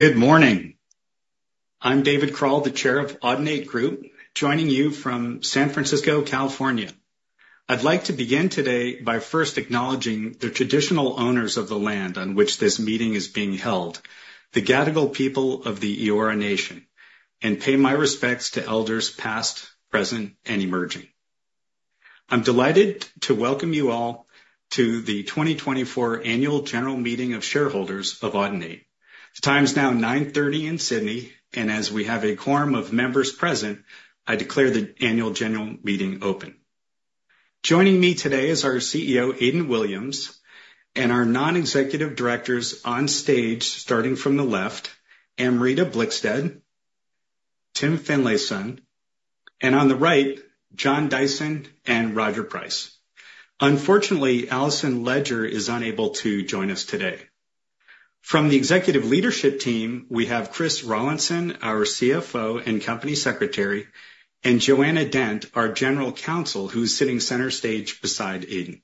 Good morning! I'm David Krall, the chair of Audinate Group, joining you from San Francisco, California. I'd like to begin today by first acknowledging the traditional owners of the land on which this meeting is being held, the Gadigal people of the Eora Nation, and pay my respects to elders past, present, and emerging. I'm delighted to welcome you all to the 2024 Annual General Meeting of Shareholders of Audinate. The time is now 9:30 A.M. in Sydney, and as we have a quorum of members present, I declare the annual general meeting open. Joining me today is our CEO, Aidan Williams, and our non-executive directors on stage, starting from the left, Amrita Blickstead, Tim Finlayson, and on the right, John Dyson and Roger Price. Unfortunately, Alison Ledger is unable to join us today. From the executive leadership team, we have Chris Rollinson, our CFO and Company Secretary, and Joanna Dent, our General Counsel, who's sitting center stage beside Aidan.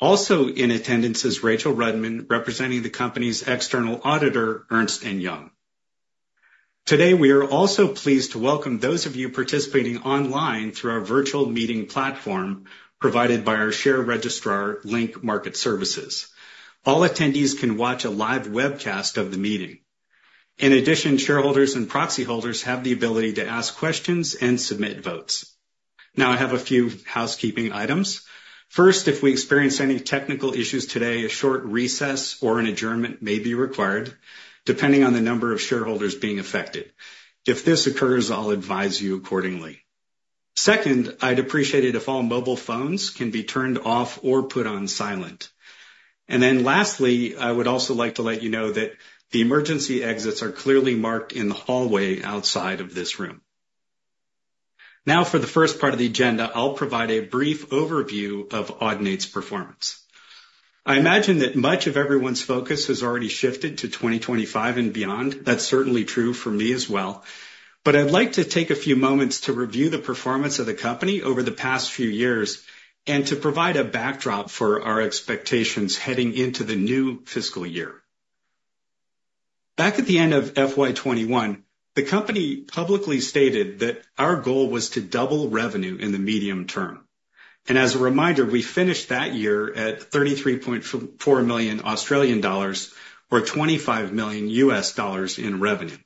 Also in attendance is Rachel Rudman, representing the company's external auditor, Ernst & Young. Today, we are also pleased to welcome those of you participating online through our virtual meeting platform, provided by our share registrar, Link Market Services. All attendees can watch a live webcast of the meeting. In addition, shareholders and proxy holders have the ability to ask questions and submit votes. Now, I have a few housekeeping items. First, if we experience any technical issues today, a short recess or an adjournment may be required, depending on the number of shareholders being affected. If this occurs, I'll advise you accordingly. Second, I'd appreciate it if all mobile phones can be turned off or put on silent. And then lastly, I would also like to let you know that the emergency exits are clearly marked in the hallway outside of this room. Now, for the first part of the agenda, I'll provide a brief overview of Audinate's performance. I imagine that much of everyone's focus has already shifted to 2025 and beyond. That's certainly true for me as well. But I'd like to take a few moments to review the performance of the company over the past few years and to provide a backdrop for our expectations heading into the new fiscal year. Back at the end of FY 2021, the company publicly stated that our goal was to double revenue in the medium term. And as a reminder, we finished that year at 33.4 million Australian dollars, or $25 million in revenue.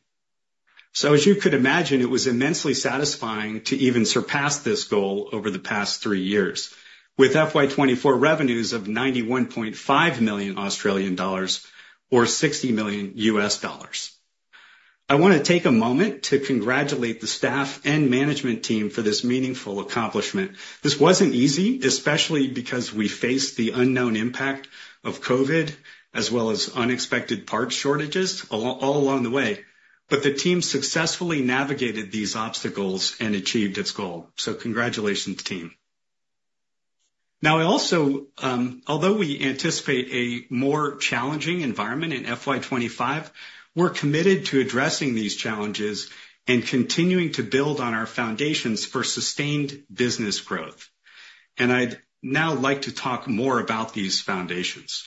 So as you could imagine, it was immensely satisfying to even surpass this goal over the past three years, with FY 2024 revenues of 91.5 million Australian dollars, or $60 million. I wanna take a moment to congratulate the staff and management team for this meaningful accomplishment. This wasn't easy, especially because we faced the unknown impact of COVID, as well as unexpected parts shortages all along the way, but the team successfully navigated these obstacles and achieved its goal. So congratulations, team. Now, I also, although we anticipate a more challenging environment in FY 2025, we're committed to addressing these challenges and continuing to build on our foundations for sustained business growth. And I'd now like to talk more about these foundations.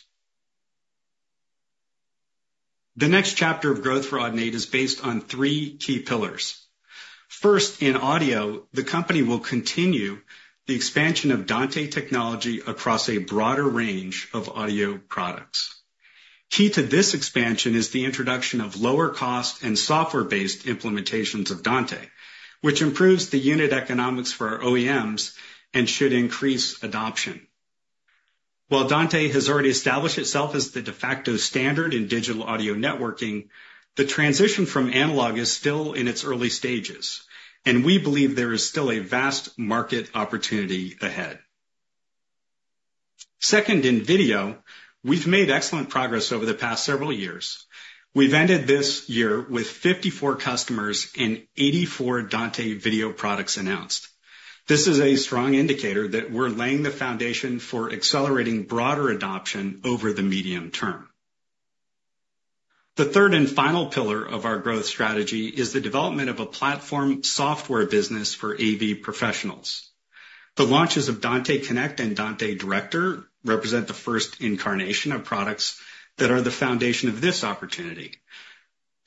The next chapter of growth for Audinate is based on three key pillars. First, in audio, the company will continue the expansion of Dante technology across a broader range of audio products. Key to this expansion is the introduction of lower cost and software-based implementations of Dante, which improves the unit economics for our OEMs and should increase adoption. While Dante has already established itself as the de facto standard in digital audio networking, the transition from analog is still in its early stages, and we believe there is still a vast market opportunity ahead. Second, in video, we've made excellent progress over the past several years. We've ended this year with 54 customers and 84 Dante video products announced. This is a strong indicator that we're laying the foundation for accelerating broader adoption over the medium term. The third and final pillar of our growth strategy is the development of a platform software business for AV professionals. The launches of Dante Connect and Dante Director represent the first incarnation of products that are the foundation of this opportunity.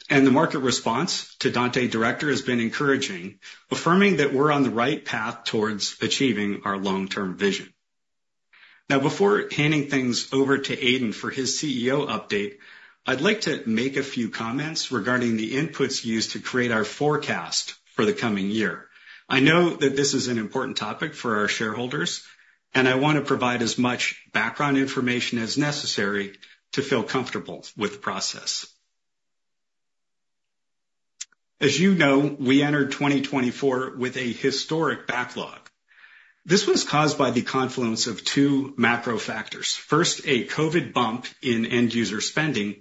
And the market response to Dante Director has been encouraging, affirming that we're on the right path towards achieving our long-term vision. Now, before handing things over to Aidan for his CEO update, I'd like to make a few comments regarding the inputs used to create our forecast for the coming year. I know that this is an important topic for our shareholders, and I want to provide as much background information as necessary to feel comfortable with the process. As you know, we entered 2024 with a historic backlog. This was caused by the confluence of two macro factors. First, a COVID bump in end-user spending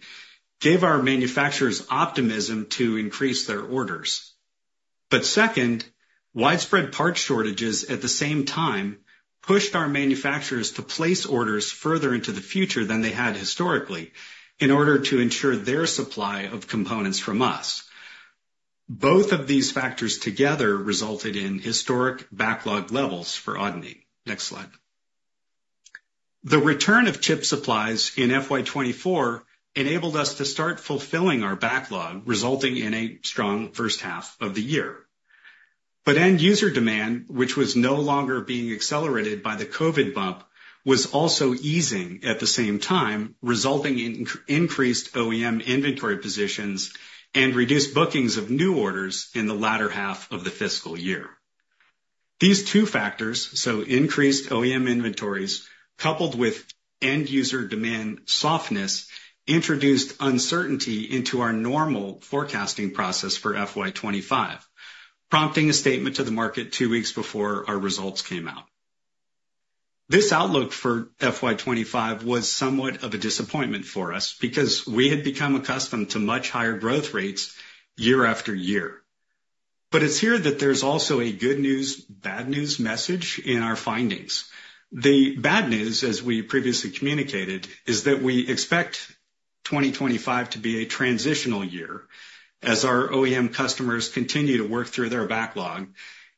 gave our manufacturers optimism to increase their orders. But second, widespread parts shortages at the same time pushed our manufacturers to place orders further into the future than they had historically in order to ensure their supply of components from us. Both of these factors together resulted in historic backlog levels for Audinate. Next slide. The return of chip supplies in FY24 enabled us to start fulfilling our backlog, resulting in a strong first half of the year. But end user demand, which was no longer being accelerated by the COVID bump, was also easing at the same time, resulting in increased OEM inventory positions and reduced bookings of new orders in the latter half of the fiscal year. These two factors, so increased OEM inventories coupled with end user demand softness, introduced uncertainty into our normal forecasting process for FY25, prompting a statement to the market two weeks before our results came out. This outlook for FY25 was somewhat of a disappointment for us because we had become accustomed to much higher growth rates year after year. But it's here that there's also a good news, bad news message in our findings. The bad news, as we previously communicated, is that we expect 2025 to be a transitional year as our OEM customers continue to work through their backlog,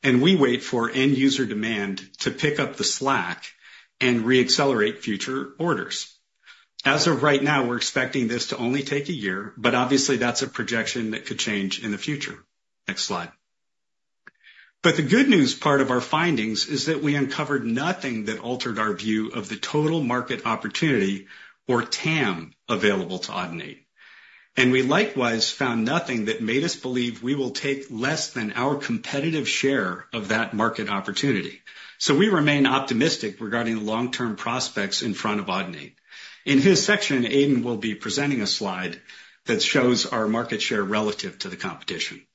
and we wait for end user demand to pick up the slack and reaccelerate future orders. As of right now, we're expecting this to only take a year, but obviously that's a projection that could change in the future. Next slide. But the good news part of our findings is that we uncovered nothing that altered our view of the total market opportunity, or TAM, available to Audinate. We likewise found nothing that made us believe we will take less than our competitive share of that market opportunity. We remain optimistic regarding the long-term prospects in front of Audinate. In his section, Aidan will be presenting a slide that shows our market share relative to the competition.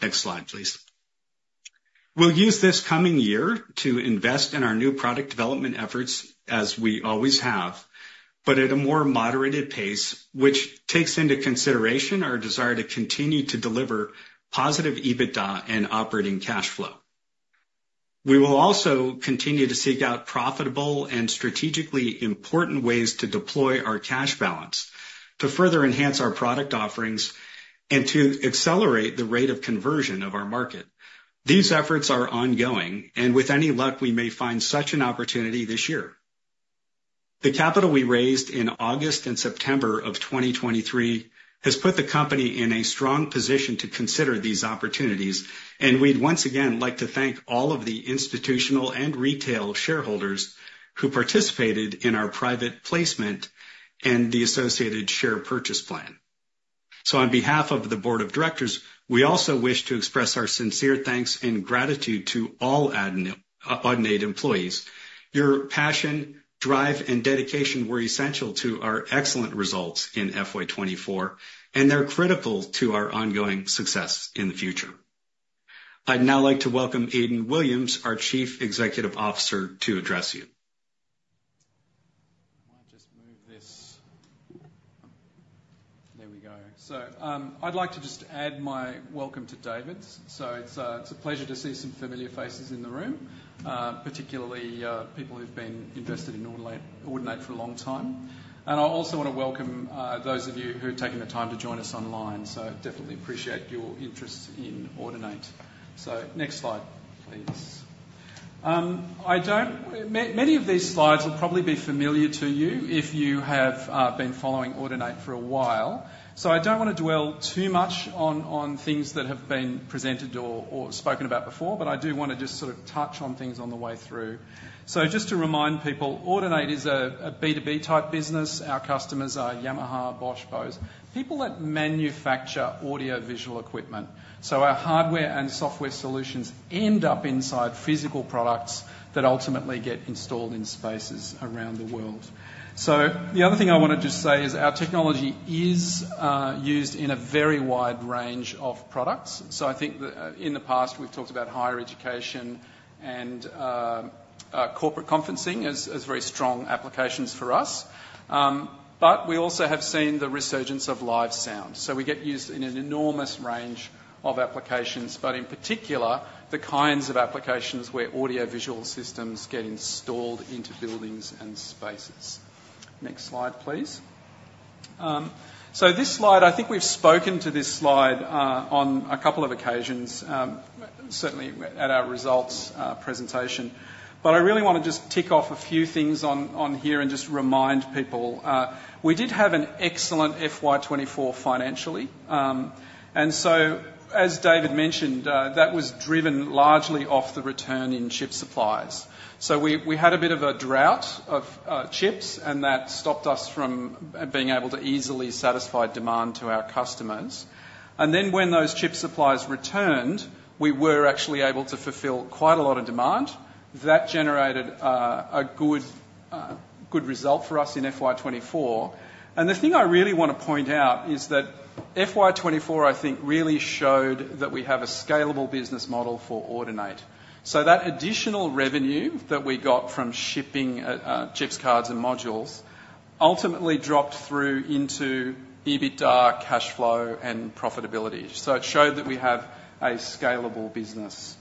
Next slide, please. We'll use this coming year to invest in our new product development efforts, as we always have, but at a more moderated pace, which takes into consideration our desire to continue to deliver positive EBITDA and operating cash flow. We will also continue to seek out profitable and strategically important ways to deploy our cash balance to further enhance our product offerings and to accelerate the rate of conversion of our market. These efforts are ongoing, and with any luck, we may find such an opportunity this year. The capital we raised in August and September of 2023 has put the company in a strong position to consider these opportunities, and we'd once again like to thank all of the institutional and retail shareholders who participated in our private placement and the associated share purchase plan. On behalf of the board of directors, we also wish to express our sincere thanks and gratitude to all Audinate employees. Your passion, drive, and dedication were essential to our excellent results in FY 2024, and they're critical to our ongoing success in the future. I'd now like to welcome Aidan Williams, our Chief Executive Officer, to address you. I might just move this. There we go. So, I'd like to just add my welcome to David's. So it's a pleasure to see some familiar faces in the room, particularly people who've been invested in Audinate for a long time. And I also want to welcome those of you who have taken the time to join us online. So definitely appreciate your interest in Audinate. So next slide, please. Many of these slides will probably be familiar to you if you have been following Audinate for a while. So I don't want to dwell too much on things that have been presented or spoken about before, but I do want to just sort of touch on things on the way through. So just to remind people, Audinate is a B2B type business. Our customers are Yamaha, Bosch, Bose, people that manufacture audiovisual equipment. So our hardware and software solutions end up inside physical products that ultimately get installed in spaces around the world. So the other thing I want to just say is our technology is used in a very wide range of products. So I think that in the past, we've talked about higher education and corporate conferencing as very strong applications for us. But we also have seen the resurgence of live sound. So we get used in an enormous range of applications, but in particular, the kinds of applications where audiovisual systems get installed into buildings and spaces. Next slide, please. So this slide, I think we've spoken to this slide on a couple of occasions, certainly at our results presentation, but I really want to just tick off a few things on here and just remind people. We did have an excellent FY24 financially, and so as David mentioned, that was driven largely off the return in chip supplies. We had a bit of a drought of chips, and that stopped us from being able to easily satisfy demand to our customers, and then when those chip supplies returned, we were actually able to fulfill quite a lot of demand. That generated a good result for us in FY24. The thing I really want to point out is that FY 2024, I think, really showed that we have a scalable business model for Audinate. So that additional revenue that we got from shipping chips, cards, and modules ultimately dropped through into EBITDA, cash flow, and profitability. So it showed that we have a scalable business.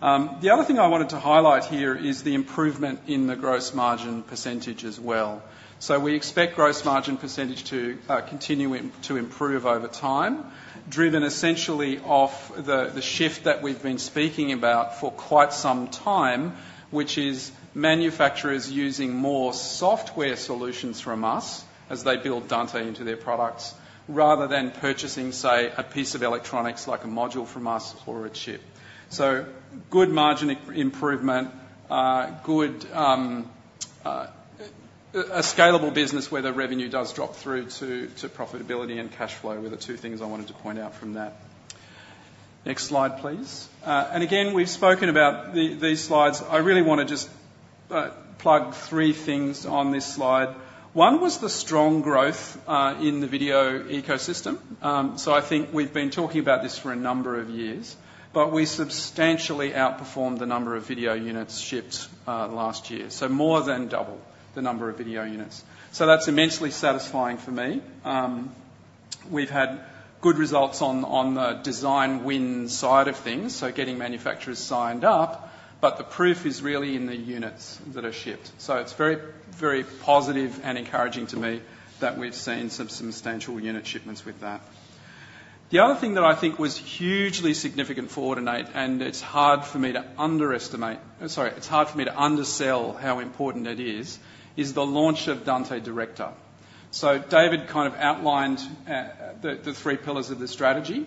The other thing I wanted to highlight here is the improvement in the gross margin percentage as well. So we expect gross margin percentage to continue to improve over time, driven essentially off the shift that we've been speaking about for quite some time, which is manufacturers using more software solutions from us as they build Dante into their products, rather than purchasing, say, a piece of electronics, like a module from us or a chip. So good margin improvement, good, A scalable business where the revenue does drop through to profitability and cash flow were the two things I wanted to point out from that. Next slide, please. And again, we've spoken about these slides. I really wanna just plug three things on this slide. One was the strong growth in the video ecosystem. So I think we've been talking about this for a number of years, but we substantially outperformed the number of video units shipped last year. So more than double the number of video units. So that's immensely satisfying for me. We've had good results on the design win side of things, so getting manufacturers signed up, but the proof is really in the units that are shipped. So it's very, very positive and encouraging to me that we've seen some substantial unit shipments with that. The other thing that I think was hugely significant for Audinate, and it's hard for me to underestimate. Sorry, it's hard for me to undersell how important it is, is the launch of Dante Director. So David kind of outlined the three pillars of the strategy.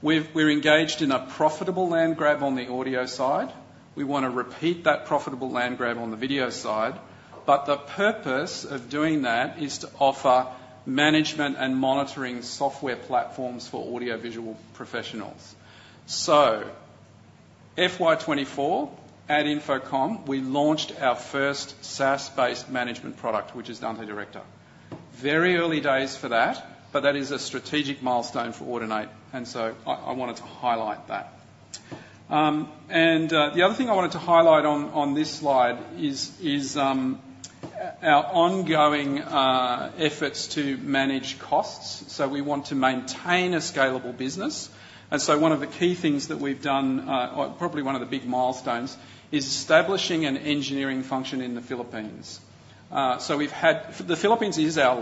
We're engaged in a profitable land grab on the audio side. We wanna repeat that profitable land grab on the video side, but the purpose of doing that is to offer management and monitoring software platforms for audiovisual professionals. So FY 2024, at InfoComm, we launched our first SaaS-based management product, which is Dante Director. Very early days for that, but that is a strategic milestone for Audinate, and so I wanted to highlight that. And the other thing I wanted to highlight on this slide is our ongoing efforts to manage costs. So we want to maintain a scalable business, and so one of the key things that we've done, or probably one of the big milestones, is establishing an engineering function in the Philippines. So the Philippines is our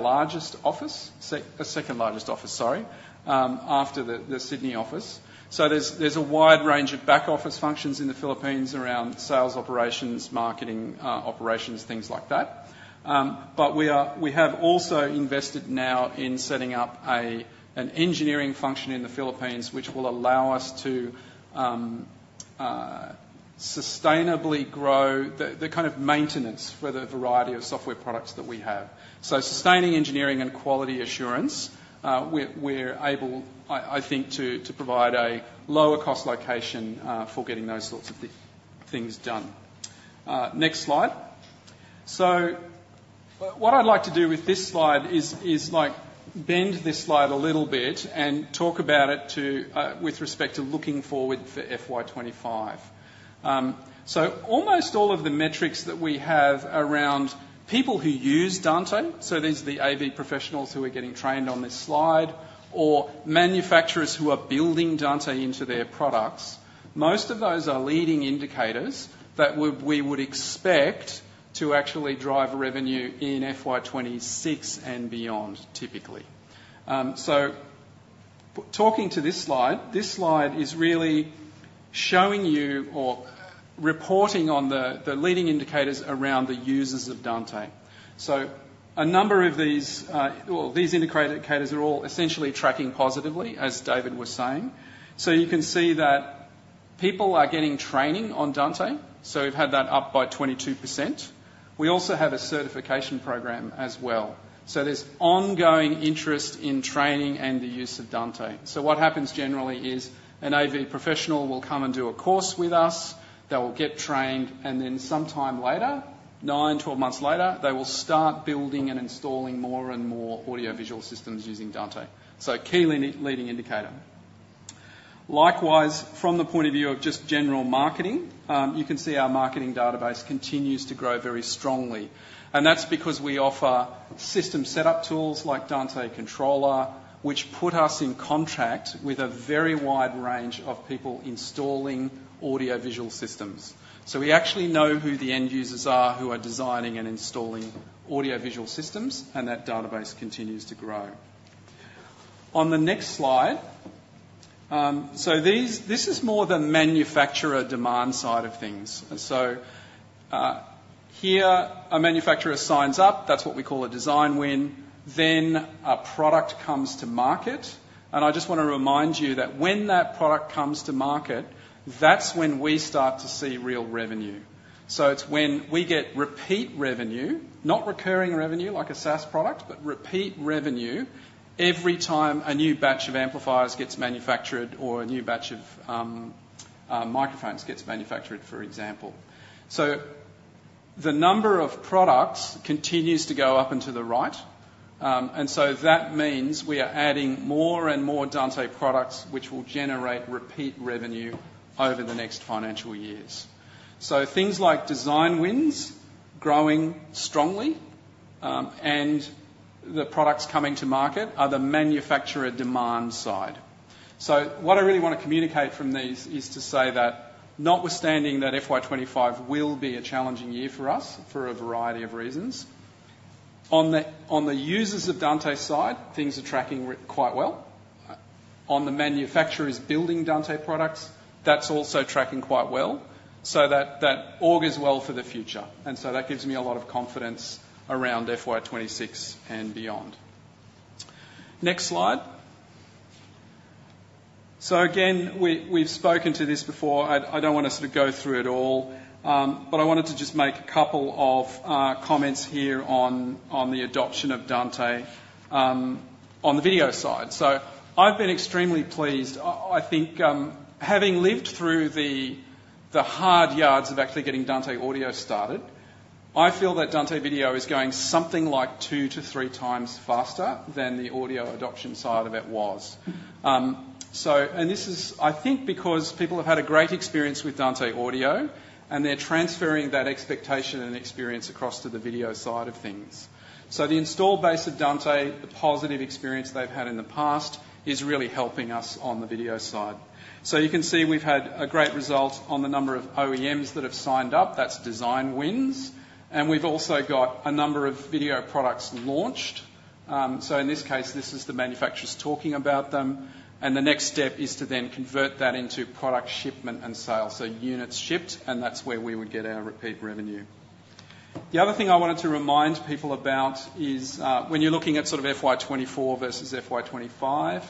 second largest office, sorry, after the Sydney office. So there's a wide range of back office functions in the Philippines around sales, operations, marketing, operations, things like that. But we have also invested now in setting up an engineering function in the Philippines, which will allow us to sustainably grow the kind of maintenance for the variety of software products that we have. So sustaining engineering and quality assurance, we're able, I think, to provide a lower cost location for getting those sorts of things done. Next slide. So what I'd like to do with this slide is like bend this slide a little bit and talk about it with respect to looking forward for FY25. So almost all of the metrics that we have around people who use Dante, so these are the AV professionals who are getting trained on this slide, or manufacturers who are building Dante into their products, most of those are leading indicators that we would expect to actually drive revenue in FY26 and beyond, typically. So talking to this slide, this slide is really showing you or reporting on the leading indicators around the users of Dante. So a number of these, well, these integrated indicators are all essentially tracking positively, as David was saying. So you can see that people are getting training on Dante, so we've had that up by 22%. We also have a certification program as well. So there's ongoing interest in training and the use of Dante. So what happens generally is, an AV professional will come and do a course with us. They will get trained, and then sometime later, nine, 12 months later, they will start building and installing more and more audiovisual systems using Dante. So key leading indicator. Likewise, from the point of view of just general marketing, you can see our marketing database continues to grow very strongly, and that's because we offer system setup tools like Dante Controller, which put us in contact with a very wide range of people installing audiovisual systems. So we actually know who the end users are, who are designing and installing audiovisual systems, and that database continues to grow. On the next slide, so this is more the manufacturer demand side of things, and so, here, a manufacturer signs up. That's what we call a design win. Then a product comes to market, and I just want to remind you that when that product comes to market, that's when we start to see real revenue. So it's when we get repeat revenue, not recurring revenue, like a SaaS product, but repeat revenue every time a new batch of amplifiers gets manufactured or a new batch of microphones gets manufactured, for example. So the number of products continues to go up and to the right, and so that means we are adding more and more Dante products, which will generate repeat revenue over the next financial years. So things like design wins, growing strongly, and the products coming to market are the manufacturer demand side. So what I really want to communicate from these is to say that notwithstanding that FY25 will be a challenging year for us for a variety of reasons, on the users of Dante side, things are tracking quite well. On the manufacturers building Dante products, that's also tracking quite well. So that augurs well for the future, and so that gives me a lot of confidence around FY26 and beyond. Next slide. So again, we've spoken to this before. I don't want to sort of go through it all, but I wanted to just make a couple of comments here on the adoption of Dante on the video side, so I've been extremely pleased. I think, having lived through the hard yards of actually getting Dante Audio started, I feel that Dante Video is going something like two to three times faster than the audio adoption side of it was, so and this is, I think, because people have had a great experience with Dante Audio, and they're transferring that expectation and experience across to the video side of things, so the installed base of Dante, the positive experience they've had in the past, is really helping us on the video side, so you can see we've had a great result on the number of OEMs that have signed up. That's design wins, and we've also got a number of video products launched. So in this case, this is the manufacturers talking about them, and the next step is to then convert that into product shipment and sale. So units shipped, and that's where we would get our repeat revenue. The other thing I wanted to remind people about is, when you're looking at sort of FY24 versus FY25,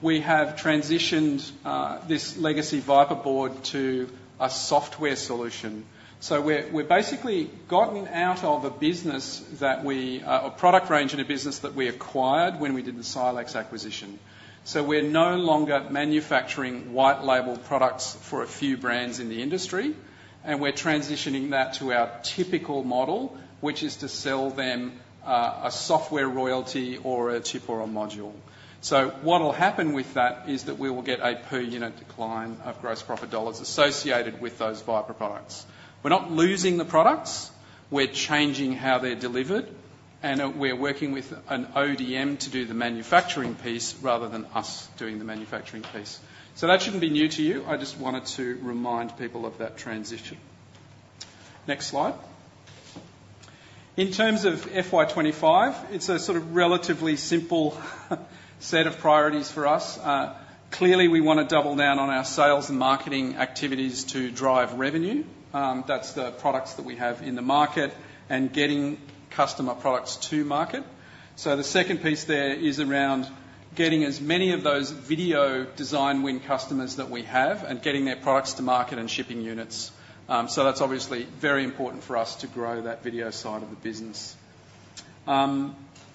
we have transitioned this legacy Viper board to a software solution. So we're basically gotten out of a product range in a business that we acquired when we did the Silex acquisition. So we're no longer manufacturing white label products for a few brands in the industry, and we're transitioning that to our typical model, which is to sell them a software royalty or a chip or a module. So what will happen with that is that we will get a per unit decline of gross profit dollars associated with those Viper products. We're not losing the products. We're changing how they're delivered, and we're working with an ODM to do the manufacturing piece rather than us doing the manufacturing piece. So that shouldn't be new to you. I just wanted to remind people of that transition. Next slide. In terms of FY 25, it's a sort of relatively simple set of priorities for us. Clearly, we want to double down on our sales and marketing activities to drive revenue. That's the products that we have in the market and getting customer products to market. So the second piece there is around getting as many of those video design win customers that we have and getting their products to market and shipping units. So that's obviously very important for us to grow that video side of the business.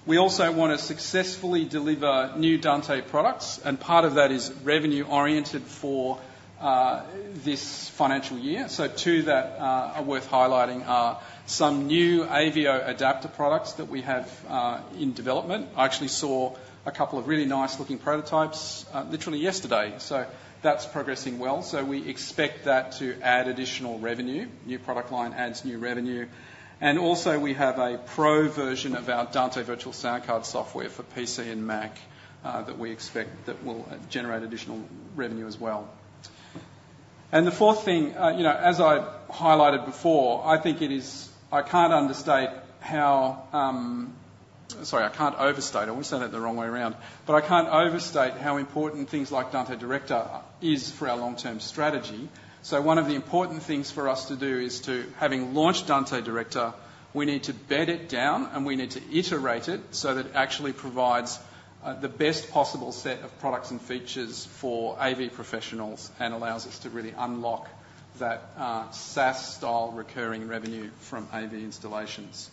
We also want to successfully deliver new Dante products, and part of that is revenue-oriented for this financial year. So two that are worth highlighting are some new AVio adapter products that we have in development. I actually saw a couple of really nice-looking prototypes literally yesterday, so that's progressing well. So we expect that to add additional revenue. New product line adds new revenue. And also, we have a pro version of our Dante Virtual Soundcard software for PC and Mac that we expect that will generate additional revenue as well. And the fourth thing, you know, as I've highlighted before, I think it is. I can't overstate. I almost said it the wrong way around, but I can't overstate how important things like Dante Director are, is for our long-term strategy. So one of the important things for us to do is to, having launched Dante Director, we need to bed it down, and we need to iterate it so that it actually provides the best possible set of products and features for AV professionals and allows us to really unlock that, SaaS-style recurring revenue from AV installations.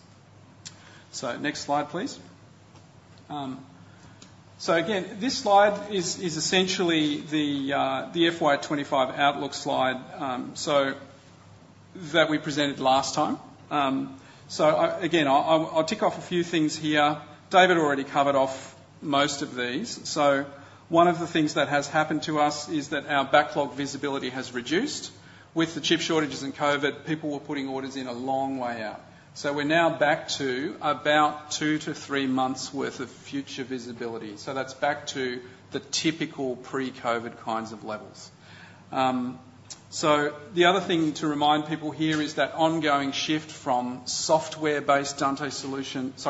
So next slide, please. So again, this slide is essentially the FY 25 outlook slide, so that we presented last time. So I, again, I'll tick off a few things here. David already covered off most of these. So one of the things that has happened to us is that our backlog visibility has reduced. With the chip shortages and COVID, people were putting orders in a long way out. So we're now back to about two to three months worth of future visibility. So that's back to the typical pre-COVID kinds of levels. So the other thing to remind people here is that ongoing shift from hardware-based Dante solutions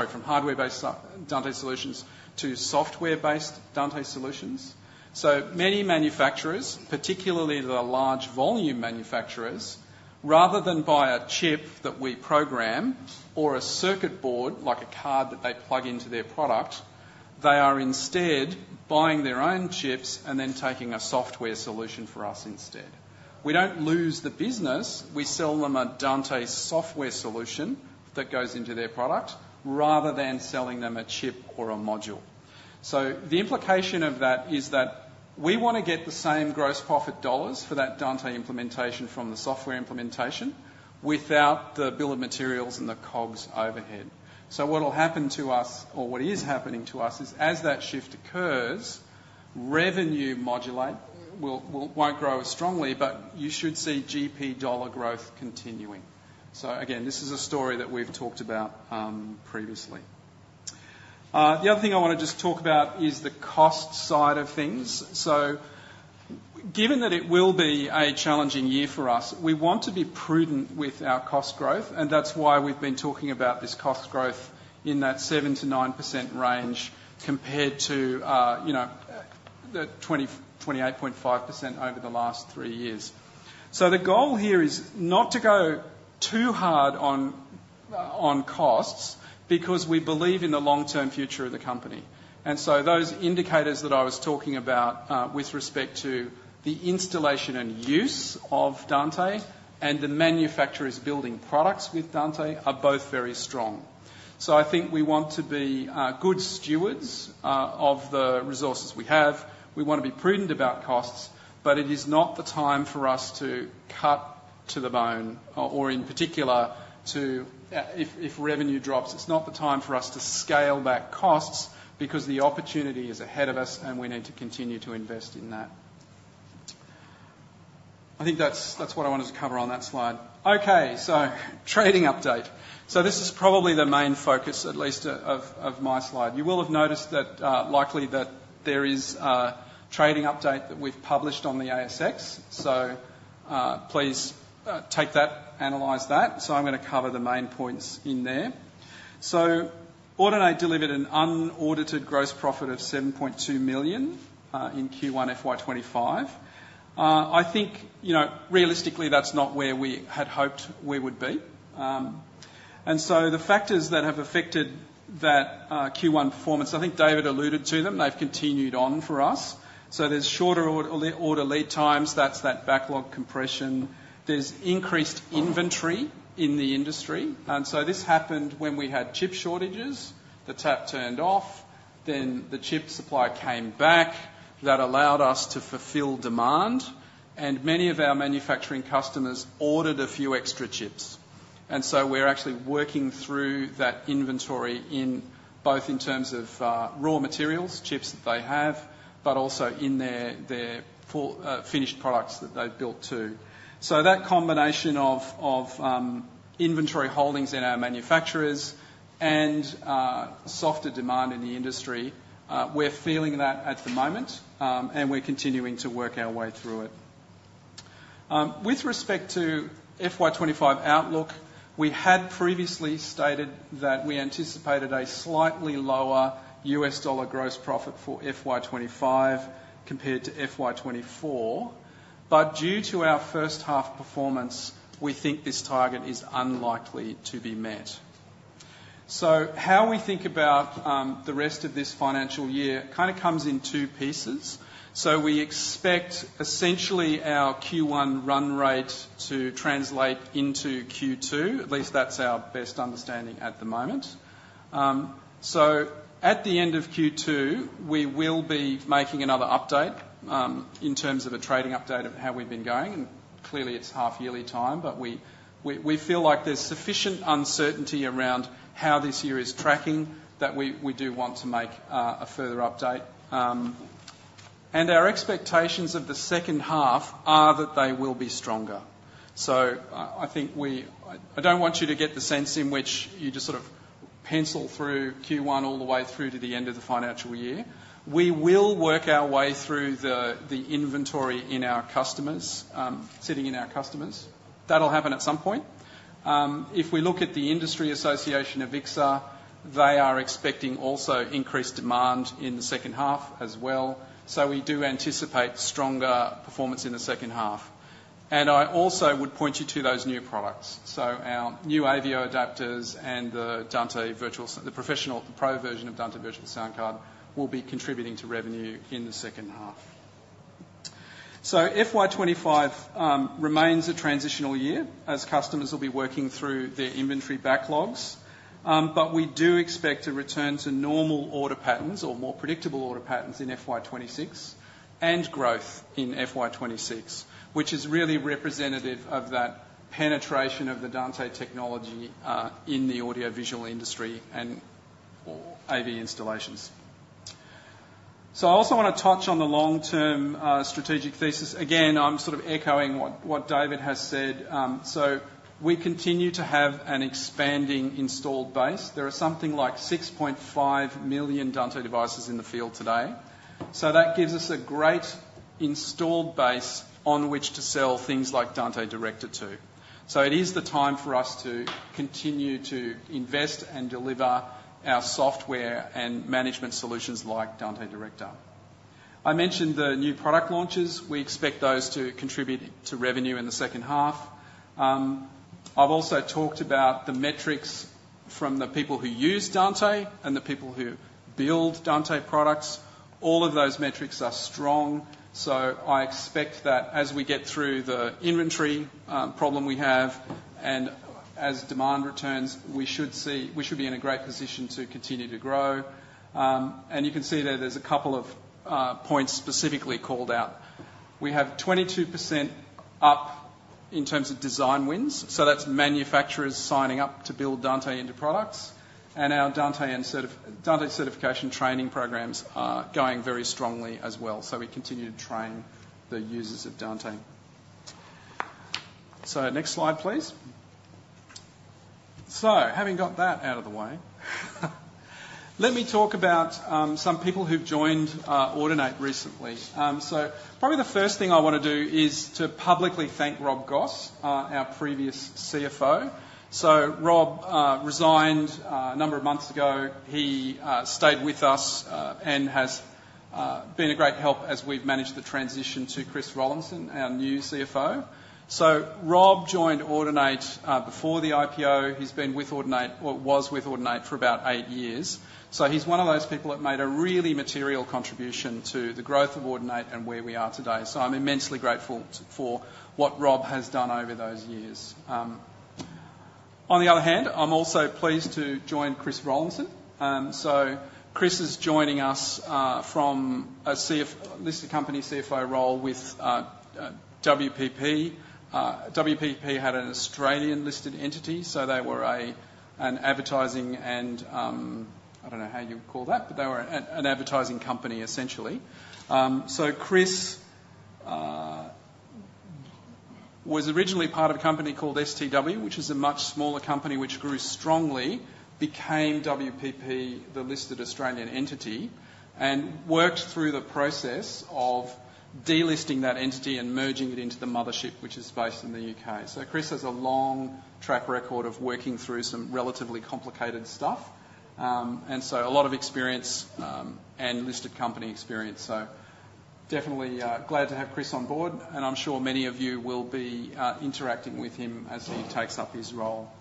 to software-based Dante solutions. So many manufacturers, particularly the large volume manufacturers, rather than buy a chip that we program or a circuit board, like a card that they plug into their product, they are instead buying their own chips and then taking a software solution for us instead. We don't lose the business. We sell them a Dante software solution that goes into their product, rather than selling them a chip or a module. So the implication of that is that we want to get the same gross profit dollars for that Dante implementation from the software implementation without the bill of materials and the COGS overhead. So what will happen to us or what is happening to us is as that shift occurs, revenue modulate will won't grow as strongly, but you should see GP dollar growth continuing. So again, this is a story that we've talked about previously. The other thing I want to just talk about is the cost side of things. So given that it will be a challenging year for us, we want to be prudent with our cost growth, and that's why we've been talking about this cost growth in that 7-9% range, compared to the 20-28.5% over the last three years. So the goal here is not to go too hard on costs, because we believe in the long-term future of the company. And so those indicators that I was talking about with respect to the installation and use of Dante and the manufacturers building products with Dante are both very strong. So I think we want to be good stewards of the resources we have. We want to be prudent about costs, but it is not the time for us to cut to the bone or, in particular, if revenue drops, it's not the time for us to scale back costs, because the opportunity is ahead of us, and we need to continue to invest in that. I think that's what I wanted to cover on that slide. Okay, so trading update. So this is probably the main focus, at least of, of my slide. You will have noticed that, likely that there is a trading update that we've published on the ASX, so, please, take that, analyze that. So I'm gonna cover the main points in there. So Audinate delivered an unaudited gross profit of 7.2 million in Q1 FY25. I think, you know, realistically, that's not where we had hoped we would be. And so the factors that have affected that, Q1 performance, I think David alluded to them, they've continued on for us. So there's shorter order lead times, that's that backlog compression. There's increased inventory in the industry, and so this happened when we had chip shortages. The tap turned off, then the chip supply came back. That allowed us to fulfill demand, and many of our manufacturing customers ordered a few extra chips. And so we're actually working through that inventory in both in terms of raw materials, chips that they have, but also in their full finished products that they've built, too. So that combination of inventory holdings in our manufacturers and softer demand in the industry, we're feeling that at the moment, and we're continuing to work our way through it. With respect to FY25 outlook, we had previously stated that we anticipated a slightly lower US dollar gross profit for FY25 compared to FY24. But due to our first half performance, we think this target is unlikely to be met. So how we think about the rest of this financial year kind of comes in two pieces. So we expect, essentially, our Q1 run rate to translate into Q2. At least that's our best understanding at the moment. So at the end of Q2, we will be making another update in terms of a trading update of how we've been going, and clearly, it's half-yearly time. But we feel like there's sufficient uncertainty around how this year is tracking, that we do want to make a further update. And our expectations of the second half are that they will be stronger. So I think we... I don't want you to get the sense in which you just sort of pencil through Q1 all the way through to the end of the financial year. We will work our way through the inventory in our customers sitting in our customers. That'll happen at some point. If we look at the industry association, AVIXA, they are expecting also increased demand in the second half as well. So we do anticipate stronger performance in the second half. And I also would point you to those new products, so our new AVio adapters and the professional, pro version of Dante Virtual Soundcard, will be contributing to revenue in the second half. So FY25 remains a transitional year, as customers will be working through their inventory backlogs. But we do expect a return to normal order patterns or more predictable order patterns in FY26, and growth in FY26, which is really representative of that penetration of the Dante technology in the audiovisual industry and or AV installations. So I also want to touch on the long-term strategic thesis. Again, I'm sort of echoing what David has said. So we continue to have an expanding installed base. There are something like 6.5 million Dante devices in the field today. So that gives us a great installed base on which to sell things like Dante Director to. So it is the time for us to continue to invest and deliver our software and management solutions like Dante Director. I mentioned the new product launches. We expect those to contribute to revenue in the second half. I've also talked about the metrics from the people who use Dante and the people who build Dante products. All of those metrics are strong, so I expect that as we get through the inventory problem we have and as demand returns, we should be in a great position to continue to grow. And you can see that there's a couple of points specifically called out. We have 22% up in terms of design wins, so that's manufacturers signing up to build Dante into products, and our Dante and Dante certification training programs are going very strongly as well. So we continue to train the users of Dante. So next slide, please. So having got that out of the way, let me talk about some people who've joined Audinate recently. So probably the first thing I want to do is to publicly thank Rob Goss, our previous CFO. So Rob resigned a number of months ago, he stayed with us and has been a great help as we've managed the transition to Chris Rollinson, our new CFO. So Rob joined Audinate before the IPO. He's been with Audinate, or was with Audinate, for about eight years. So he's one of those people that made a really material contribution to the growth of Audinate and where we are today. So I'm immensely grateful for what Rob has done over those years. On the other hand, I'm also pleased to join Chris Rollinson. So Chris is joining us from a listed company CFO role with WPP. WPP had an Australian-listed entity, so they were an advertising and I don't know how you would call that, but they were an advertising company, essentially. So Chris was originally part of a company called STW, which is a much smaller company, which grew strongly, became WPP, the listed Australian entity, and worked through the process of delisting that entity and merging it into the mothership, which is based in the UK. So Chris has a long track record of working through some relatively complicated stuff. And so a lot of experience, and listed company experience. So definitely glad to have Chris on board, and I'm sure many of you will be interacting with him as he takes up his role.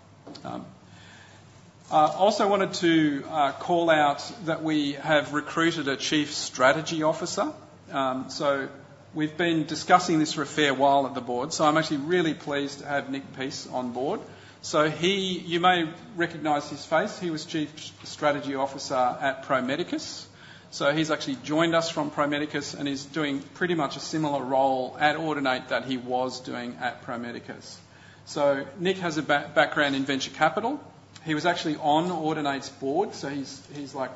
I also wanted to call out that we have recruited a chief strategy officer. So we've been discussing this for a fair while at the board, so I'm actually really pleased to have Nick Pearce on board. So he... You may recognize his face. He was Chief Strategy Officer at Pro Medicus, so he's actually joined us from Pro Medicus, and he's doing pretty much a similar role at Audinate that he was doing at Pro Medicus. So Nick has a background in venture capital. He was actually on Audinate's board, so he's like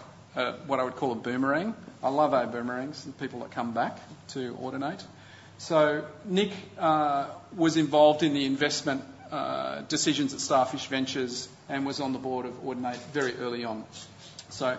what I would call a boomerang. I love our boomerangs, the people that come back to Audinate. So Nick was involved in the investment decisions at Starfish Ventures and was on the board of Audinate very early on. So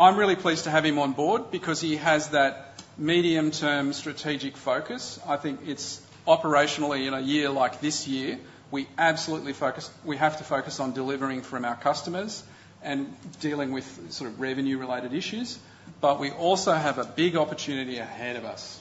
I'm really pleased to have him on board because he has that medium-term strategic focus. I think it's operationally, in a year like this year, we absolutely focus. We have to focus on delivering from our customers and dealing with sort of revenue-related issues, but we also have a big opportunity ahead of us.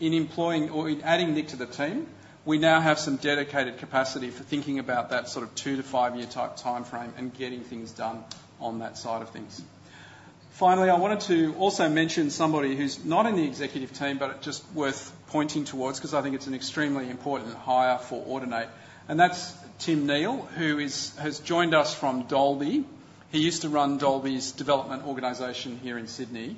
In employing or in adding Nick to the team, we now have some dedicated capacity for thinking about that sort of two to five-year type timeframe and getting things done on that side of things. Finally, I wanted to also mention somebody who's not in the executive team, but just worth pointing towards, 'cause I think it's an extremely important hire for Audinate, and that's Tim Neill, who has joined us from Dolby. He used to run Dolby's development organization here in Sydney.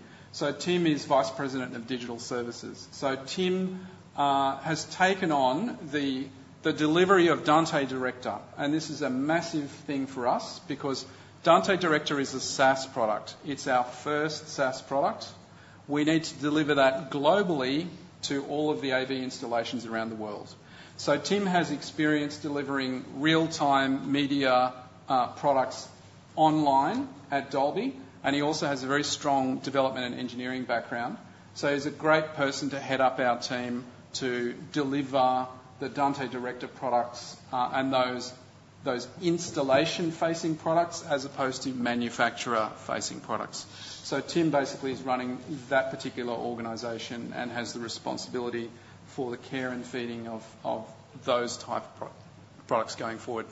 Tim is Vice President of Digital Services. Tim has taken on the delivery of Dante Director, and this is a massive thing for us because Dante Director is a SaaS product. It's our first SaaS product. We need to deliver that globally to all of the AV installations around the world. So Tim has experience delivering real-time media products online at Dolby, and he also has a very strong development and engineering background. So he's a great person to head up our team to deliver the Dante Director products, and those installation-facing products as opposed to manufacturer-facing products. So Tim basically is running that particular organization and has the responsibility for the care and feeding of those type of pro products going forward.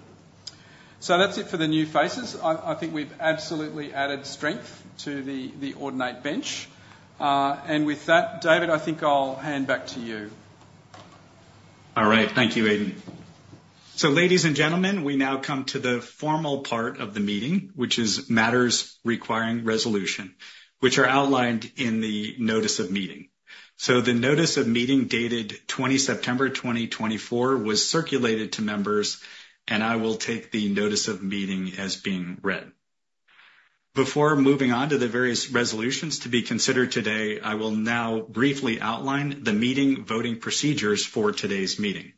So that's it for the new faces. I think we've absolutely added strength to the Audinate bench. And with that, David, I think I'll hand back to you. All right. Thank you, Aidan. So, ladies and gentlemen, we now come to the formal part of the meeting, which is matters requiring resolution, which are outlined in the notice of meeting. So the notice of meeting, dated 20th of September 2024, was circulated to members, and I will take the notice of meeting as being read. Before moving on to the various resolutions to be considered today, I will now briefly outline the meeting voting procedures for today's meeting.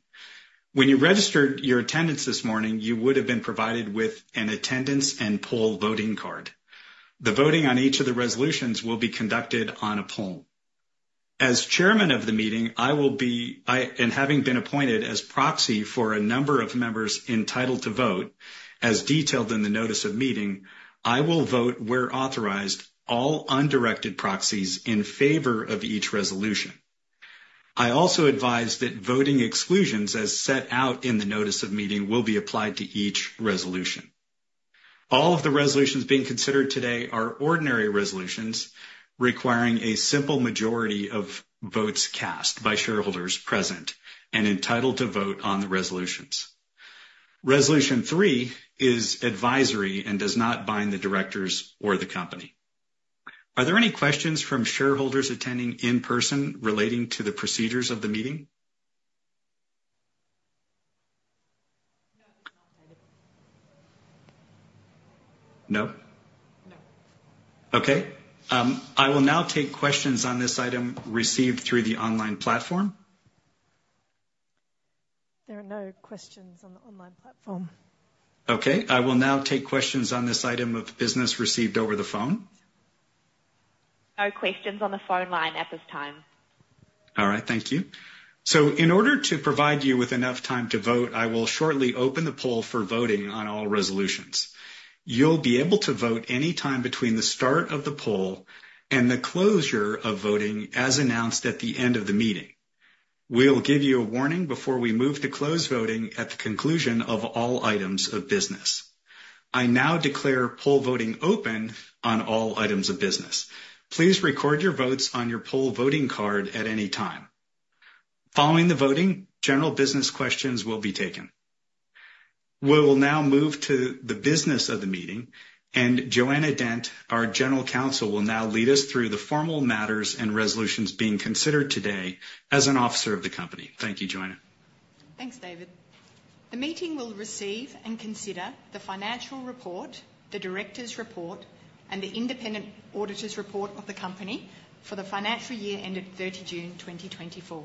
When you registered your attendance this morning, you would have been provided with an attendance and poll voting card. The voting on each of the resolutions will be conducted on a poll. As chairman of the meeting, I will be... And having been appointed as proxy for a number of members entitled to vote, as detailed in the notice of meeting, I will vote, where authorized, all undirected proxies in favor of each resolution. I also advise that voting exclusions, as set out in the notice of meeting, will be applied to each resolution. All of the resolutions being considered today are ordinary resolutions requiring a simple majority of votes cast by shareholders present and entitled to vote on the resolutions. Resolution Three is advisory and does not bind the directors or the company. Are there any questions from shareholders attending in person relating to the procedures of the meeting? No. No? No. Okay, I will now take questions on this item received through the online platform. There are no questions on the online platform. Okay, I will now take questions on this item of business received over the phone.... No questions on the phone line at this time. All right, thank you. So in order to provide you with enough time to vote, I will shortly open the poll for voting on all resolutions. You'll be able to vote any time between the start of the poll and the closure of voting as announced at the end of the meeting. We'll give you a warning before we move to close voting at the conclusion of all items of business. I now declare poll voting open on all items of business. Please record your votes on your poll voting card at any time. Following the voting, general business questions will be taken. We will now move to the business of the meeting, and Joanna Dent, our General Counsel, will now lead us through the formal matters and resolutions being considered today as an officer of the company. Thank you, Joanna. Thanks, David. The meeting will receive and consider the financial report, the directors' report, and the independent auditor's report of the company for the financial year ended 30th of June 2024.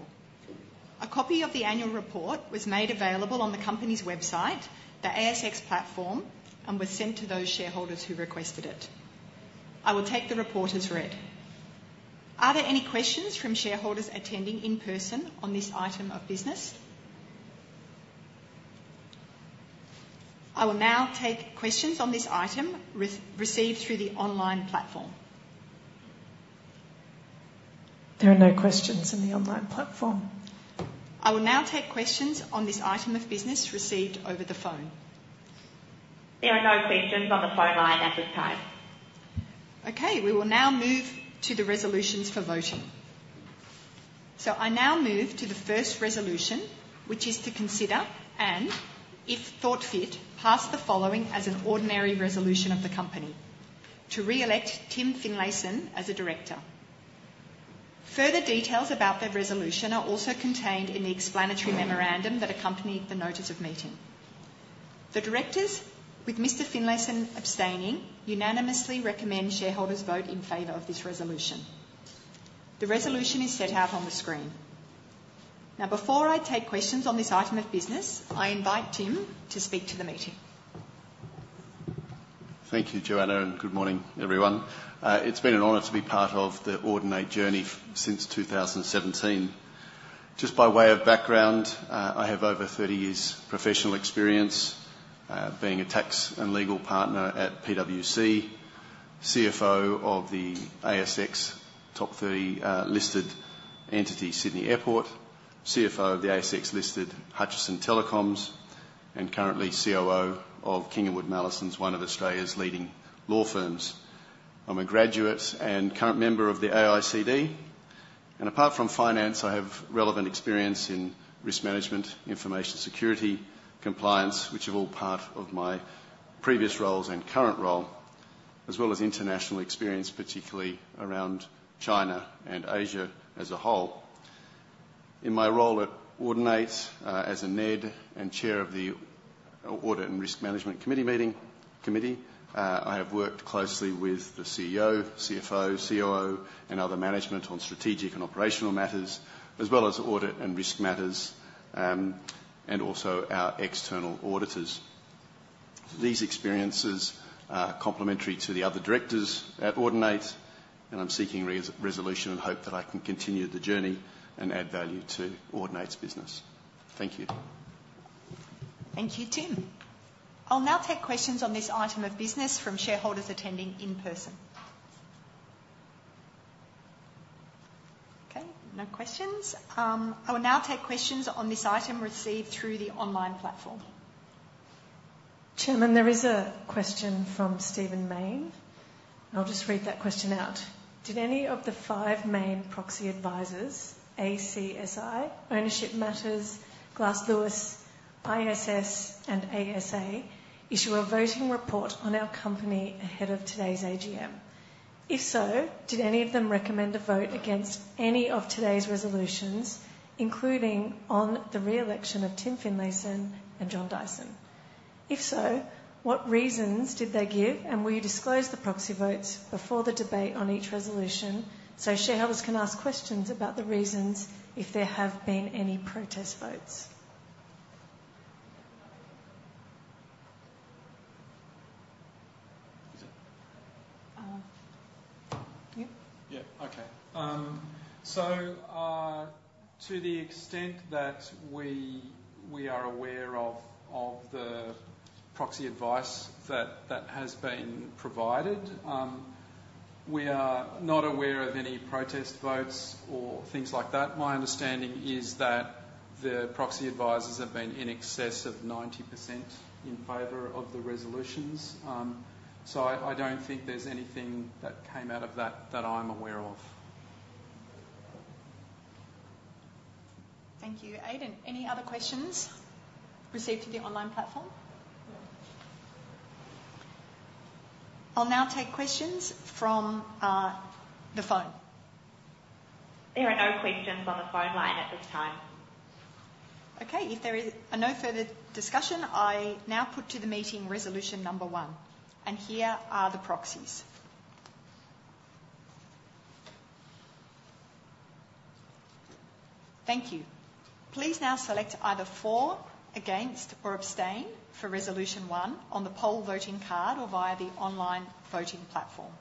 A copy of the annual report was made available on the company's website, the ASX platform, and was sent to those shareholders who requested it. I will take the report as read. Are there any questions from shareholders attending in person on this item of business? I will now take questions on this item received through the online platform. There are no questions in the online platform. I will now take questions on this item of business received over the phone. There are no questions on the phone line at this time. Okay, we will now move to the resolutions for voting. So I now move to the first resolution, which is to consider and, if thought fit, pass the following as an ordinary resolution of the Company: to re-elect Tim Finlayson as a director. Further details about the resolution are also contained in the explanatory memorandum that accompanied the notice of meeting. The directors, with Mr. Finlayson abstaining, unanimously recommend shareholders vote in favor of this resolution. The resolution is set out on the screen. Now, before I take questions on this item of business, I invite Tim to speak to the meeting. Thank you, Joanna, and good morning, everyone. It's been an honor to be part of the Audinate journey since 2017. Just by way of background, I have over 30 years professional experience, being a tax and legal partner at PwC, CFO of the ASX top 30 listed entity, Sydney Airport, CFO of the ASX listed Hutchison Telecoms, and currently COO of King & Wood Mallesons, one of Australia's leading law firms. I'm a graduate and current member of the AICD, and apart from finance, I have relevant experience in risk management, information security, compliance, which are all part of my previous roles and current role, as well as international experience, particularly around China and Asia as a whole. In my role at Audinate, as a NED and Chair of the Audit and Risk Management Committee, I have worked closely with the CEO, CFO, COO, and other management on strategic and operational matters, as well as audit and risk matters, and also our external auditors. These experiences are complementary to the other directors at Audinate, and I'm seeking resolution and hope that I can continue the journey and add value to Audinate's business. Thank you. Thank you, Tim. I'll now take questions on this item of business from shareholders attending in person. Okay, no questions. I will now take questions on this item received through the online platform. Chairman, there is a question from Stephen Mayne. I'll just read that question out. Did any of the five main proxy advisors, ACSI, Ownership Matters, Glass Lewis, ISS, and ASA, issue a voting report on our company ahead of today's AGM? If so, did any of them recommend a vote against any of today's resolutions, including on the re-election of Tim Finlayson and John Dyson? If so, what reasons did they give, and will you disclose the proxy votes before the debate on each resolution so shareholders can ask questions about the reasons if there have been any protest votes? Uh. Yep. Yeah. Okay. So, to the extent that we are aware of the proxy advice that has been provided, we are not aware of any protest votes or things like that. My understanding is that the proxy advisors have been in excess of 90% in favor of the resolutions. So I don't think there's anything that came out of that that I'm aware of. Thank you, Aidan. Any other questions received through the online platform? No. I'll now take questions from the phone. There are no questions on the phone line at this time. Okay. If there is no further discussion, I now put to the meeting resolution number one, and here are the proxies.... Thank you. Please now select either for, against, or abstain for Resolution one on the poll voting card or via the online voting platform.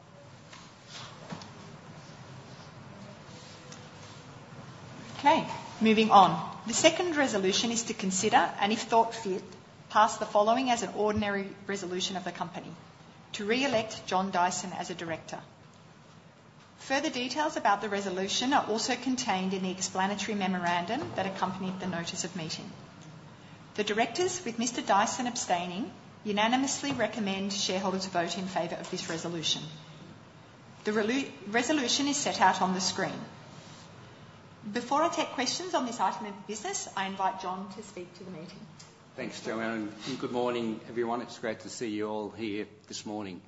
Okay, moving on. The second resolution is to consider, and if thought fit, pass the following as an ordinary resolution of the company: To re-elect John Dyson as a director. Further details about the resolution are also contained in the explanatory memorandum that accompanied the notice of meeting. The directors, with Mr. Dyson abstaining, unanimously recommend shareholders vote in favor of this resolution. The resolution is set out on the screen. Before I take questions on this item of business, I invite John to speak to the meeting. Thanks, Joanna, and good morning, everyone. It's great to see you all here this morning.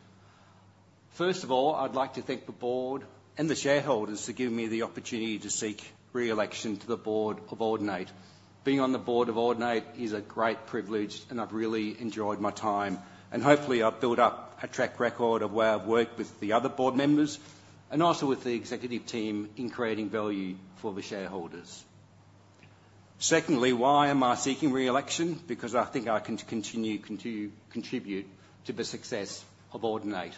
First of all, I'd like to thank the board and the shareholders for giving me the opportunity to seek re-election to the board of Audinate. Being on the board of Audinate is a great privilege, and I've really enjoyed my time, and hopefully I've built up a track record of where I've worked with the other board members and also with the executive team in creating value for the shareholders. Secondly, why am I seeking re-election? Because I think I can continue to contribute to the success of Audinate.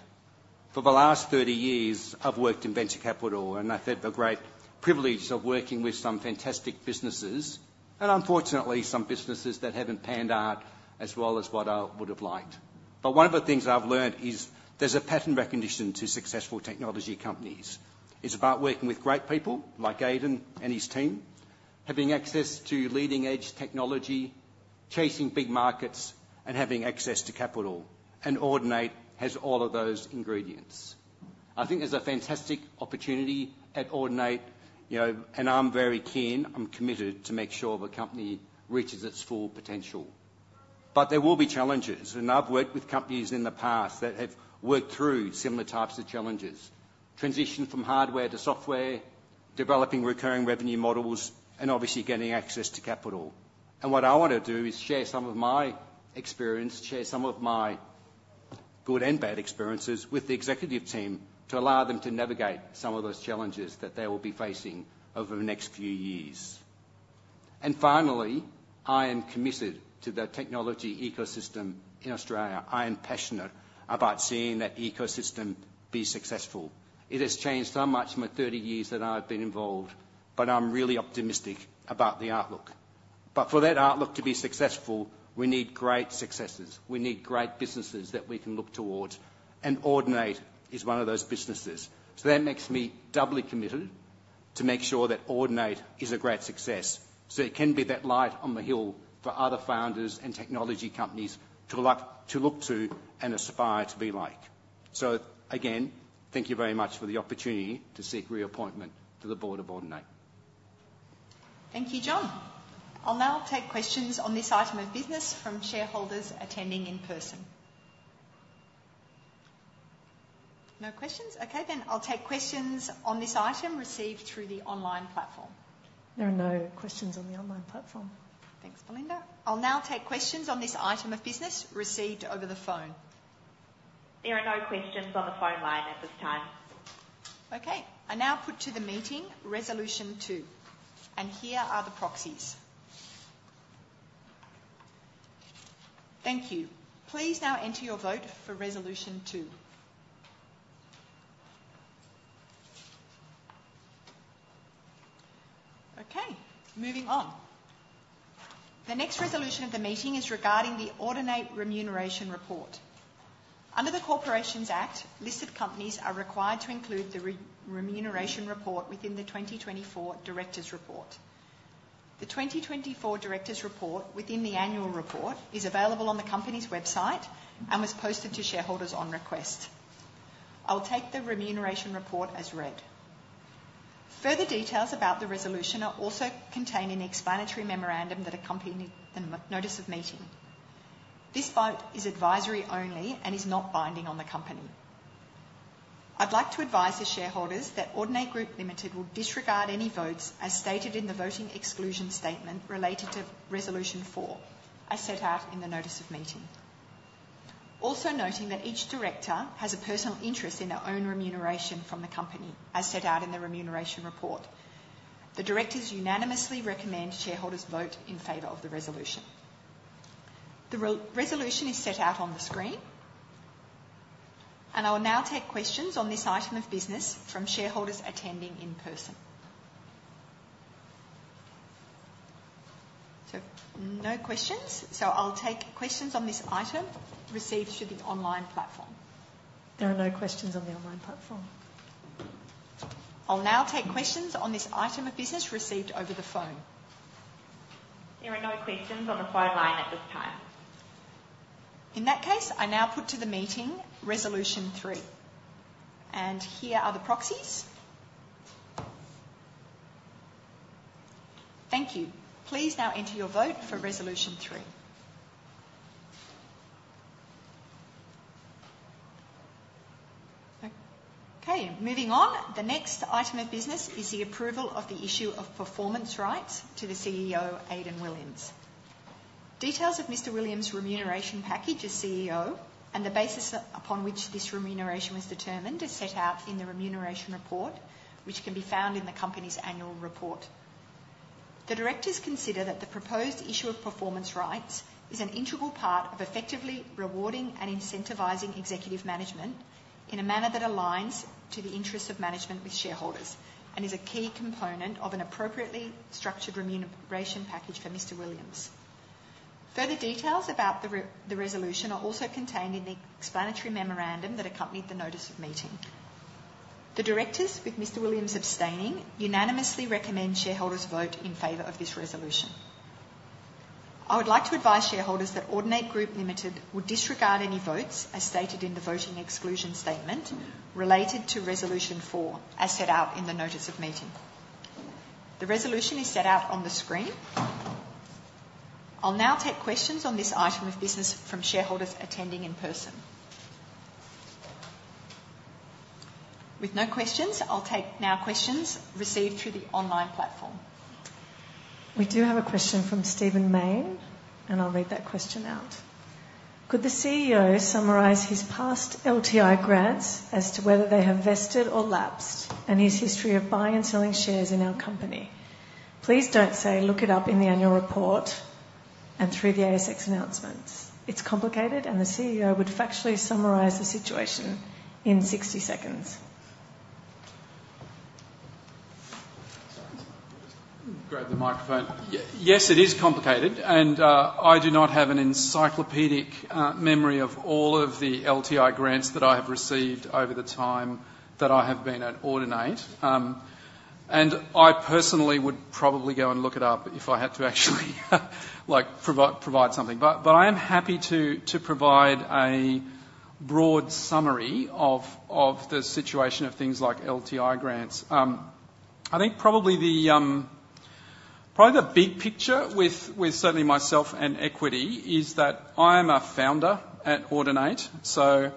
For the last 30 years, I've worked in venture capital, and I've had the great privilege of working with some fantastic businesses and unfortunately, some businesses that haven't panned out as well as what I would have liked. But one of the things I've learned is there's a pattern recognition to successful technology companies. It's about working with great people like Aidan and his team, having access to leading-edge technology, chasing big markets, and having access to capital. And Audinate has all of those ingredients. I think there's a fantastic opportunity at Audinate, you know, and I'm very keen, I'm committed to make sure the company reaches its full potential. But there will be challenges, and I've worked with companies in the past that have worked through similar types of challenges: transition from hardware to software, developing recurring revenue models, and obviously getting access to capital. And what I want to do is share some of my experience, share some of my good and bad experiences with the executive team to allow them to navigate some of those challenges that they will be facing over the next few years. And finally, I am committed to the technology ecosystem in Australia. I am passionate about seeing that ecosystem be successful. It has changed so much in the 30 years that I've been involved, but I'm really optimistic about the outlook. But for that outlook to be successful, we need great successes. We need great businesses that we can look towards, and Audinate is one of those businesses. So that makes me doubly committed to make sure that Audinate is a great success, so it can be that light on the hill for other founders and technology companies to like, to look to and aspire to be like. So again, thank you very much for the opportunity to seek reappointment to the board of Audinate. Thank you, John. I'll now take questions on this item of business from shareholders attending in person. No questions? Okay, then I'll take questions on this item received through the online platform. There are no questions on the online platform. Thanks, Belinda. I'll now take questions on this item of business received over the phone. There are no questions on the phone line at this time. Okay, I now put to the meeting Resolution two, and here are the proxies. Thank you. Please now enter your vote for Resolution two. Okay, moving on. The next resolution of the meeting is regarding the Audinate Remuneration Report. Under the Corporations Act, listed companies are required to include the remuneration report within the 2024 directors' report. The 2024 directors' report within the annual report is available on the company's website and was posted to shareholders on request. I'll take the remuneration report as read. Further details about the resolution are also contained in the explanatory memorandum that accompanied the notice of meeting. This vote is advisory only and is not binding on the company. I'd like to advise the shareholders that Audinate Group Limited will disregard any votes, as stated in the voting exclusion statement related to Resolution Four, as set out in the notice of meeting. Also noting that each director has a personal interest in their own remuneration from the company, as set out in the remuneration report. The directors unanimously recommend shareholders vote in favor of the resolution. The resolution is set out on the screen, and I will now take questions on this item of business from shareholders attending in person. So no questions, so I'll take questions on this item received through the online platform. There are no questions on the online platform. I'll now take questions on this item of business received over the phone. There are no questions on the phone line at this time. In that case, I now put to the meeting Resolution Three, and here are the proxies. Thank you. Please now enter your vote for Resolution Three. Okay, moving on. The next item of business is the approval of the issue of performance rights to the CEO, Aidan Williams. Details of Mr. Williams' remuneration package as CEO and the basis upon which this remuneration was determined is set out in the remuneration report, which can be found in the company's annual report. The directors consider that the proposed issue of performance rights is an integral part of effectively rewarding and incentivizing executive management in a manner that aligns to the interests of management with shareholders and is a key component of an appropriately structured remuneration package for Mr. Williams. Further details about the resolution are also contained in the explanatory memorandum that accompanied the notice of meeting. The directors, with Mr. Williams abstaining, unanimously recommend shareholders vote in favor of this resolution. I would like to advise shareholders that Audinate Group Limited will disregard any votes, as stated in the voting exclusion statement, related to Resolution Four, as set out in the notice of meeting. The resolution is set out on the screen. I'll now take questions on this item of business from shareholders attending in person. With no questions, I'll take now questions received through the online platform. We do have a question from Stephen Mayne, and I'll read that question out: "Could the CEO summarize his past LTI grants as to whether they have vested or lapsed, and his history of buying and selling shares in our company? Please don't say, 'Look it up in the annual report and through the ASX announcements.' It's complicated, and the CEO would factually summarize the situation in 60 seconds. Grab the microphone. Yes, it is complicated, and I do not have an encyclopedic memory of all of the LTI grants that I have received over the time that I have been at Audinate. And I personally would probably go and look it up if I had to actually, like, provide something. But I am happy to provide a broad summary of the situation of things like LTI grants. I think probably the big picture with certainly myself and equity is that I'm a founder at Audinate, so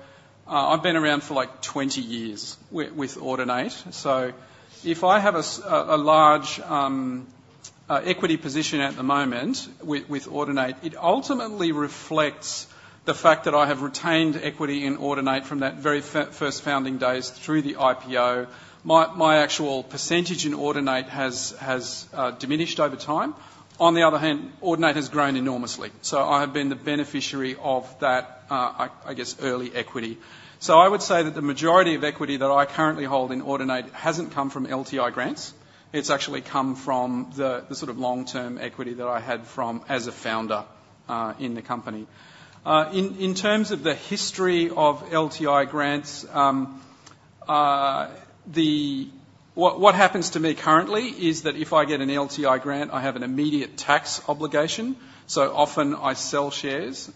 I've been around for, like, 20 years with Audinate. So if I have a large equity position at the moment with Audinate, it ultimately reflects the fact that I have retained equity in Audinate from that very first founding days through the IPO. My actual percentage in Audinate has diminished over time. On the other hand, Audinate has grown enormously, so I have been the beneficiary of that, I guess, early equity. So I would say that the majority of equity that I currently hold in Audinate hasn't come from LTI grants. It's actually come from the sort of long-term equity that I had from... as a founder in the company. In terms of the history of LTI grants, the... What happens to me currently is that if I get an LTI grant, I have an immediate tax obligation, so often I sell shares.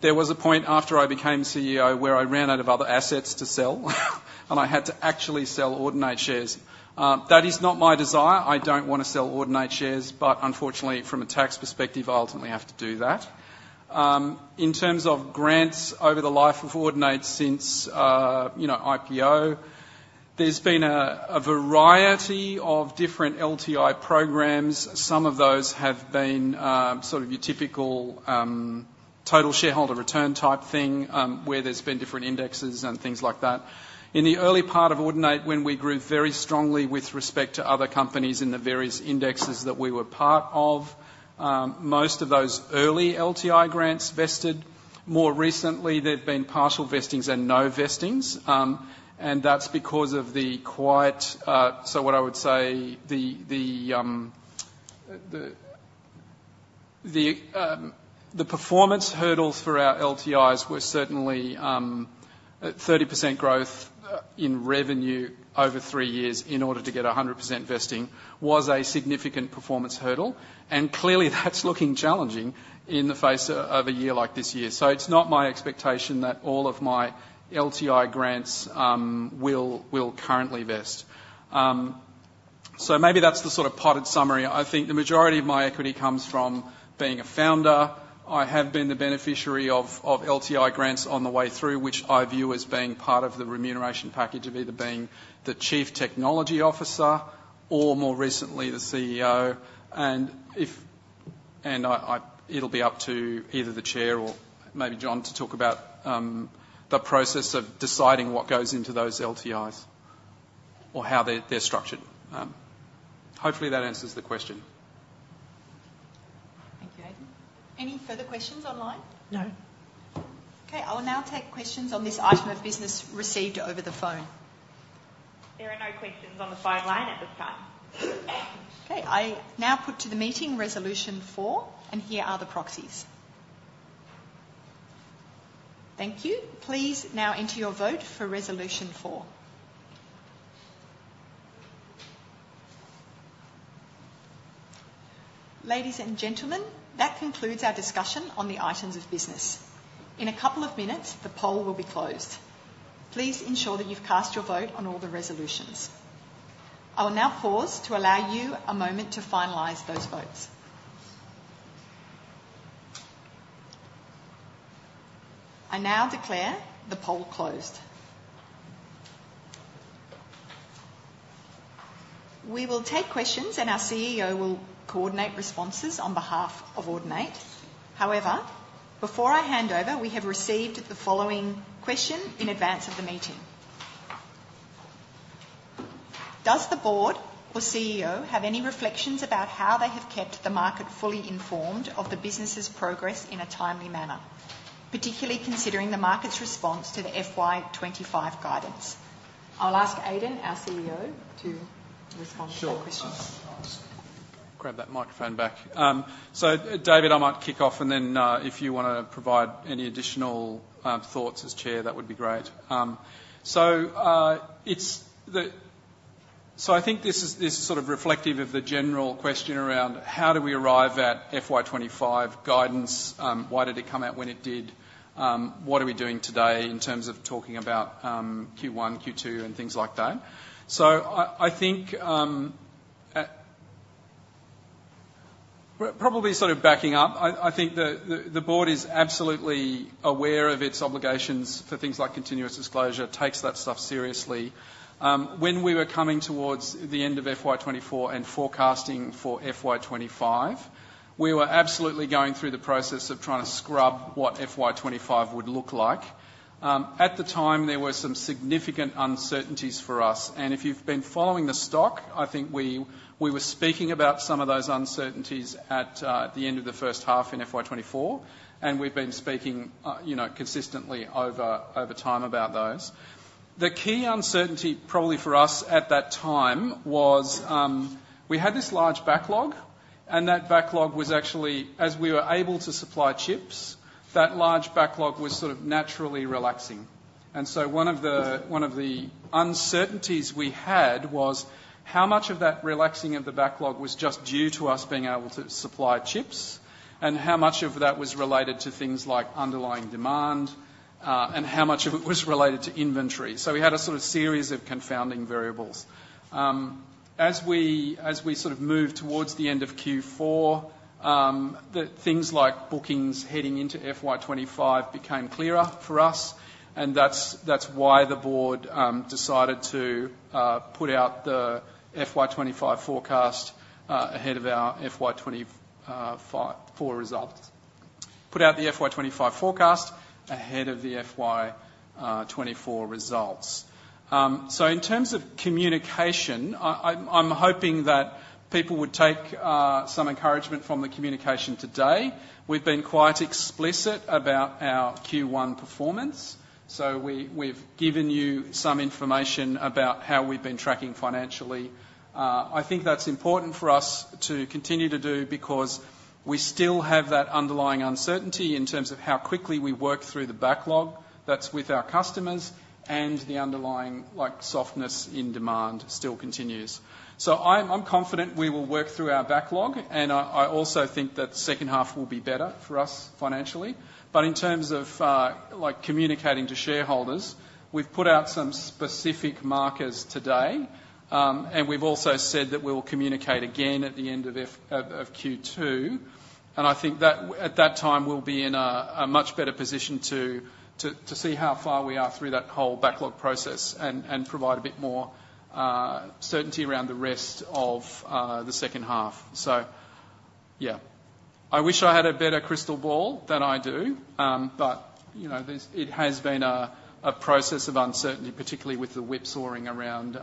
There was a point after I became CEO where I ran out of other assets to sell, and I had to actually sell Audinate shares. That is not my desire. I don't want to sell Audinate shares, but unfortunately, from a tax perspective, I ultimately have to do that. In terms of grants over the life of Audinate since you know IPO, there's been a variety of different LTI programs. Some of those have been sort of your typical total shareholder return type thing where there's been different indexes and things like that. In the early part of Audinate, when we grew very strongly with respect to other companies in the various indexes that we were part of, most of those early LTI grants vested. More recently, there've been partial vestings and no vestings, and that's because. So what I would say, the performance hurdles for our LTIs were certainly 30% growth in revenue over three years in order to get 100% vesting, was a significant performance hurdle, and clearly, that's looking challenging in the face of a year like this year. So it's not my expectation that all of my LTI grants will currently vest. So maybe that's the sort of potted summary. I think the majority of my equity comes from being a founder. I have been the beneficiary of LTI grants on the way through, which I view as being part of the remuneration package of either being the chief technology officer or, more recently, the CEO. And it'll be up to either the chair or maybe John to talk about the process of deciding what goes into those LTIs or how they're structured. Hopefully, that answers the question. Thank you, Aidan. Any further questions online? No. Okay, I will now take questions on this item of business received over the phone. There are no questions on the phone line at this time. Okay, I now put to the meeting Resolution Four, and here are the proxies. Thank you. Please now enter your vote for Resolution Four. Ladies and gentlemen, that concludes our discussion on the items of business. In a couple of minutes, the poll will be closed. Please ensure that you've cast your vote on all the resolutions. I will now pause to allow you a moment to finalize those votes. I now declare the poll closed. We will take questions, and our CEO will coordinate responses on behalf of Audinate. However, before I hand over, we have received the following question in advance of the meeting. Does the board or CEO have any reflections about how they have kept the market fully informed of the business's progress in a timely manner, particularly considering the market's response to the FY25 guidance? I'll ask Aidan, our CEO, to respond to that question. Sure. I'll grab that microphone back. So David, I might kick off, and then, if you wanna provide any additional thoughts as Chair, that would be great, so I think this is sort of reflective of the general question around how do we arrive at FY25 guidance? Why did it come out when it did? What are we doing today in terms of talking about Q1, Q2, and things like that, so I think probably sort of backing up. I think the board is absolutely aware of its obligations for things like continuous disclosure, takes that stuff seriously. When we were coming towards the end of FY24 and forecasting for FY25, we were absolutely going through the process of trying to scrub what FY25 would look like. At the time, there were some significant uncertainties for us, and if you've been following the stock, I think we were speaking about some of those uncertainties at the end of the first half in FY24, and we've been speaking, you know, consistently over time about those. The key uncertainty probably for us at that time was, we had this large backlog, and that backlog was actually... As we were able to supply chips, that large backlog was sort of naturally relaxing. And so one of the uncertainties we had was how much of that relaxing of the backlog was just due to us being able to supply chips and how much of that was related to things like underlying demand, and how much of it was related to inventory. So we had a sort of series of confounding variables. As we sort of moved towards the end of Q4, the things like bookings heading into FY25 became clearer for us, and that's why the board decided to put out the FY25 forecast ahead of our FY24 results. So in terms of communication, I'm hoping that people would take some encouragement from the communication today. We've been quite explicit about our Q1 performance, so we've given you some information about how we've been tracking financially. I think that's important for us to continue to do because we still have that underlying uncertainty in terms of how quickly we work through the backlog that's with our customers and the underlying, like, softness in demand still continues. So I'm confident we will work through our backlog, and I also think that the second half will be better for us financially. But in terms of, like, communicating to shareholders, we've put out some specific markers today, and we've also said that we will communicate again at the end of Q2. I think that at that time, we'll be in a much better position to see how far we are through that whole backlog process and provide a bit more certainty around the rest of the second half. So, yeah. I wish I had a better crystal ball than I do, but you know, this... it has been a process of uncertainty, particularly with the whipsaw around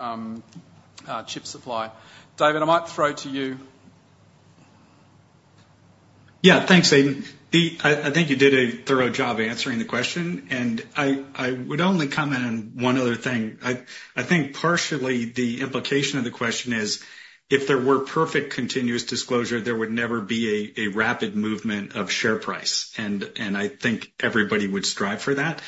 chip supply. David, I might throw to you. Yeah, thanks, Aidan. I think you did a thorough job answering the question, and I would only comment on one other thing. I think partially the implication of the question is, if there were perfect continuous disclosure, there would never be a rapid movement of share price, and I think everybody would strive for that.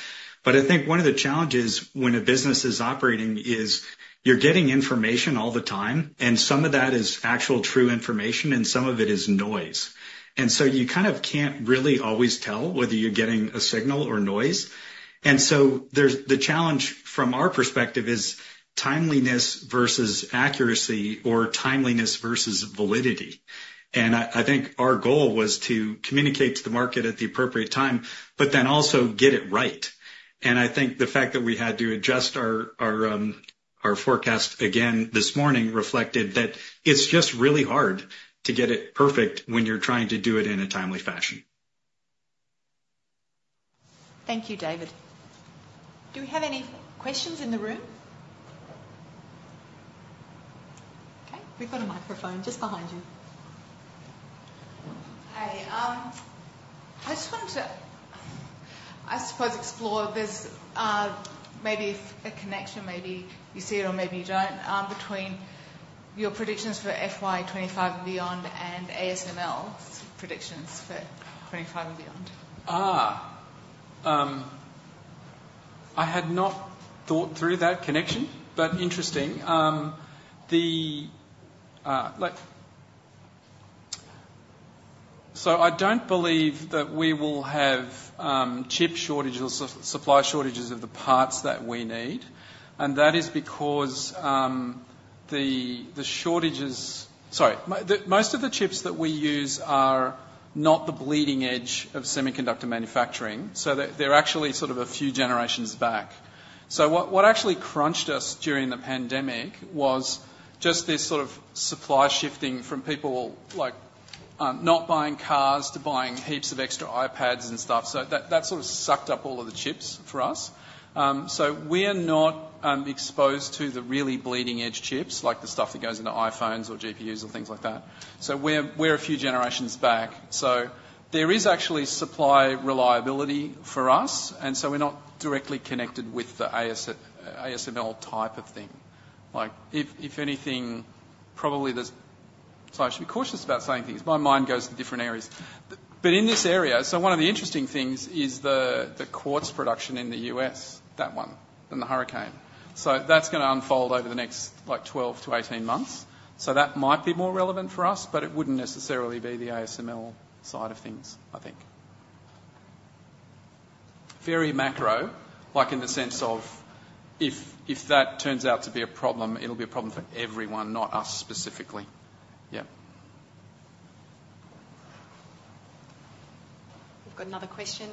But I think one of the challenges when a business is operating is you're getting information all the time, and some of that is actual true information, and some of it is noise. And so you kind of can't really always tell whether you're getting a signal or noise. And so there's the challenge from our perspective is timeliness versus accuracy or timeliness versus validity. And I think our goal was to communicate to the market at the appropriate time, but then also get it right. I think the fact that we had to adjust our forecast again this morning reflected that it's just really hard to get it perfect when you're trying to do it in a timely fashion. Thank you, David. Do we have any questions in the room? Okay, we've got a microphone just behind you. Hi, I just wanted to, I suppose, explore there's maybe a connection, maybe you see it or maybe you don't, between your predictions for FY25 and beyond and ASML's predictions for 2025 and beyond. I had not thought through that connection, but interesting. The, like, so I don't believe that we will have chip shortages or supply shortages of the parts that we need, and that is because the most of the chips that we use are not the bleeding-edge of semiconductor manufacturing, so they, they're actually sort of a few generations back. So what actually crunched us during the pandemic was just this sort of supply shifting from people not buying cars to buying heaps of extra iPads and stuff. So that sort of sucked up all of the chips for us. So we're not exposed to the really bleeding-edge chips, like the stuff that goes into iPhones or GPUs or things like that. So we're a few generations back. So there is actually supply reliability for us, and so we're not directly connected with the ASML type of thing. Like, if anything, probably there's... So I should be cautious about saying things. My mind goes to different areas. But in this area, so one of the interesting things is the quartz production in the U.S., that one, and the hurricane. So that's gonna unfold over the next, like, 12-18 months. So that might be more relevant for us, but it wouldn't necessarily be the ASML side of things, I think. Very macro, like, in the sense of if that turns out to be a problem, it'll be a problem for everyone, not us specifically. Yeah. We've got another question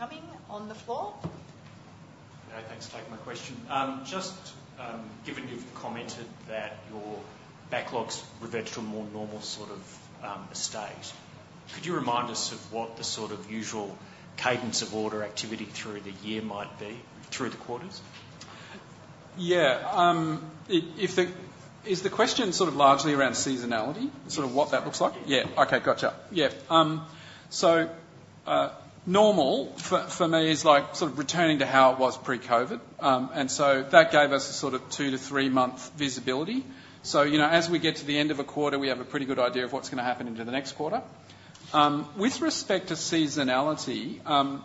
coming on the floor. Yeah, thanks for taking my question. Just, given you've commented that your backlogs reverted to a more normal sort of state, could you remind us of what the sort of usual cadence of order activity through the year might be, through the quarters? Yeah... Is the question sort of largely around seasonality? Yes. Sort of what that looks like? Yes. Yeah. Okay. Gotcha. Yeah. So, normal for me is like sort of returning to how it was pre-COVID. And so that gave us a sort of two- to three-month visibility. So, you know, as we get to the end of a quarter, we have a pretty good idea of what's going to happen into the next quarter. With respect to seasonality,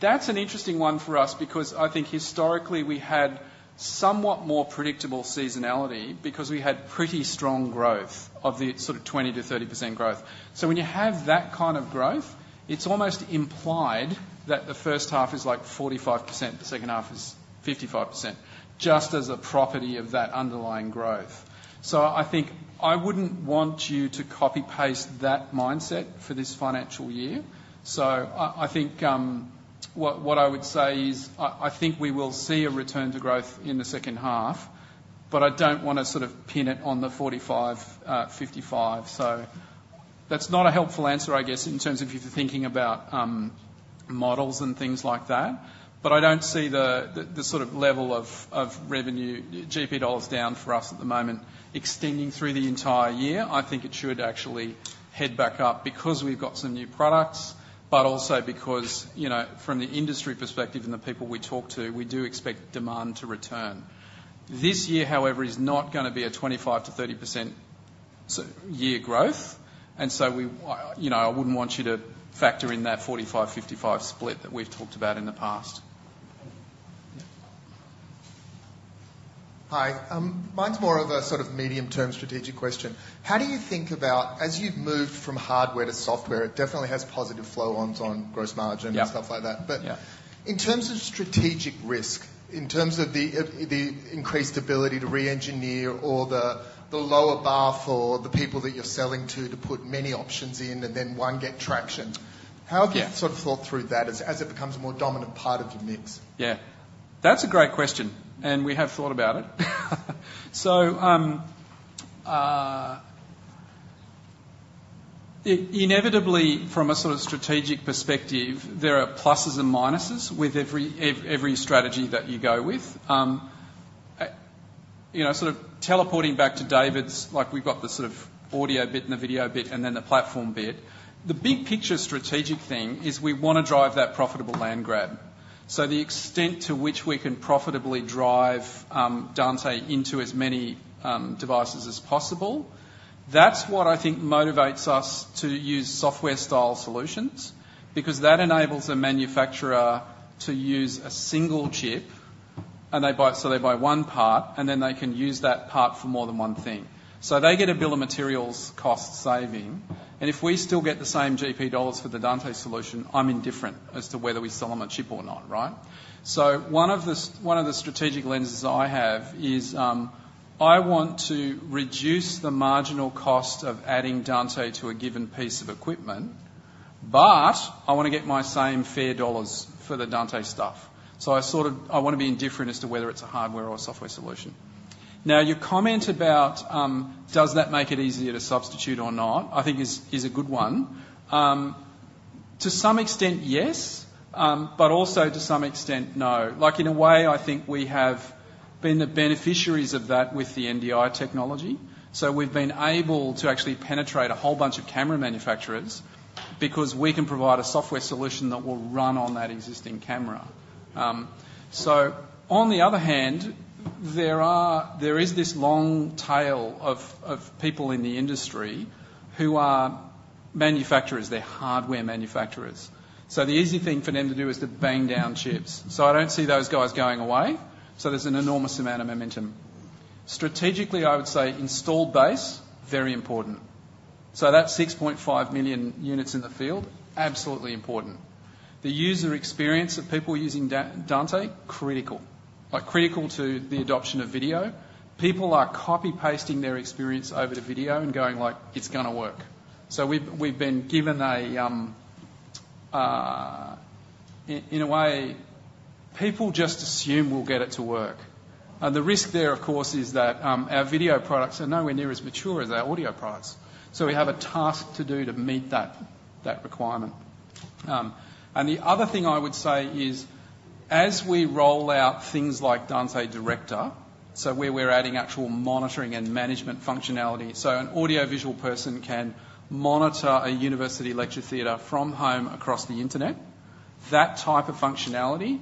that's an interesting one for us because I think historically, we had somewhat more predictable seasonality because we had pretty strong growth of the sort of 20%-30% growth. So when you have that kind of growth, it's almost implied that the first half is like 45%, the second half is 55%, just as a property of that underlying growth. So I think I wouldn't want you to copy-paste that mindset for this financial year. So I think what I would say is I think we will see a return to growth in the second half, but I don't want to sort of pin it on the 45, 55. So that's not a helpful answer, I guess, in terms of if you're thinking about models and things like that, but I don't see the sort of level of revenue, GP dollars down for us at the moment, extending through the entire year. I think it should actually head back up because we've got some new products, but also because, you know, from the industry perspective and the people we talk to, we do expect demand to return. This year, however, is not gonna be a 25%-30% year growth, and so, I, you know, I wouldn't want you to factor in that 45-55 split that we've talked about in the past. Yeah. Hi. Mine's more of a sort of medium-term strategic question. How do you think about, as you've moved from hardware to software, it definitely has positive flow-ons on gross margin- Yeah and stuff like that. Yeah. But in terms of strategic risk, in terms of the increased ability to reengineer or the lower bar for the people that you're selling to, to put many options in and then one get traction. Yeah. How have you sort of thought through that as it becomes a more dominant part of your mix? Yeah, that's a great question, and we have thought about it. So, inevitably, from a sort of strategic perspective, there are pluses and minuses with every strategy that you go with. You know, sort of teleporting back to David's, like, we've got the sort of audio bit and the video bit, and then the platform bit. The big picture strategic thing is we want to drive that profitable land grab. So the extent to which we can profitably drive Dante into as many devices as possible, that's what I think motivates us to use software-style solutions because that enables a manufacturer to use a single chip, and they buy. So they buy one part, and then they can use that part for more than one thing. So they get a bill of materials cost saving, and if we still get the same GP dollars for the Dante solution, I'm indifferent as to whether we sell them a chip or not, right? So one of the strategic lenses I have is, I want to reduce the marginal cost of adding Dante to a given piece of equipment, but I want to get my same fair dollars for the Dante stuff. So I sort of, I want to be indifferent as to whether it's a hardware or software solution. Now, your comment about, does that make it easier to substitute or not, I think is a good one. To some extent, yes, but also to some extent, no. Like, in a way, I think we have been the beneficiaries of that with the NDI technology. So we've been able to actually penetrate a whole bunch of camera manufacturers because we can provide a software solution that will run on that existing camera. So on the other hand, there is this long tail of people in the industry who are manufacturers. They're hardware manufacturers. So the easy thing for them to do is to bang down chips. So I don't see those guys going away. So there's an enormous amount of momentum. Strategically, I would say installed base, very important. So that's 6.5 million units in the field, absolutely important. The user experience of people using Dante, critical. Like, critical to the adoption of video. People are copy-pasting their experience over to video and going like, "It's gonna work." So we've been given a... In a way, people just assume we'll get it to work, and the risk there, of course, is that our video products are nowhere near as mature as our audio products, so we have a task to do to meet that requirement. And the other thing I would say is, as we roll out things like Dante Director, where we're adding actual monitoring and management functionality, an audiovisual person can monitor a university lecture theater from home across the internet. That type of functionality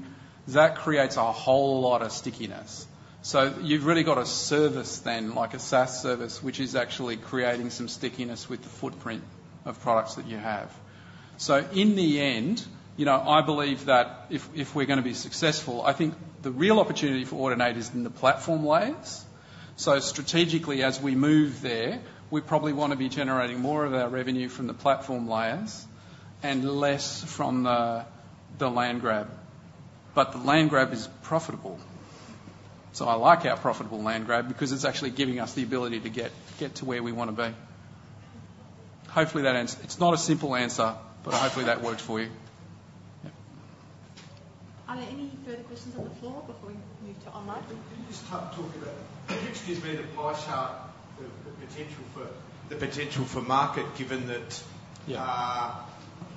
creates a whole lot of stickiness, so you've really got a service then, like a SaaS service, which is actually creating some stickiness with the footprint of products that you have. In the end, you know, I believe that if we're going to be successful, I think the real opportunity for Audinate is in the platform layers. Strategically, as we move there, we probably want to be generating more of our revenue from the platform layers and less from the land grab. But the land grab is profitable, so I like our profitable land grab because it's actually giving us the ability to get to where we want to be. Hopefully, that answers... It's not a simple answer, but hopefully, that worked for you. Are there any further questions on the floor before we move to online? Can you just talk about-- Can you just give me the pie chart, the potential for market, given that- Yeah.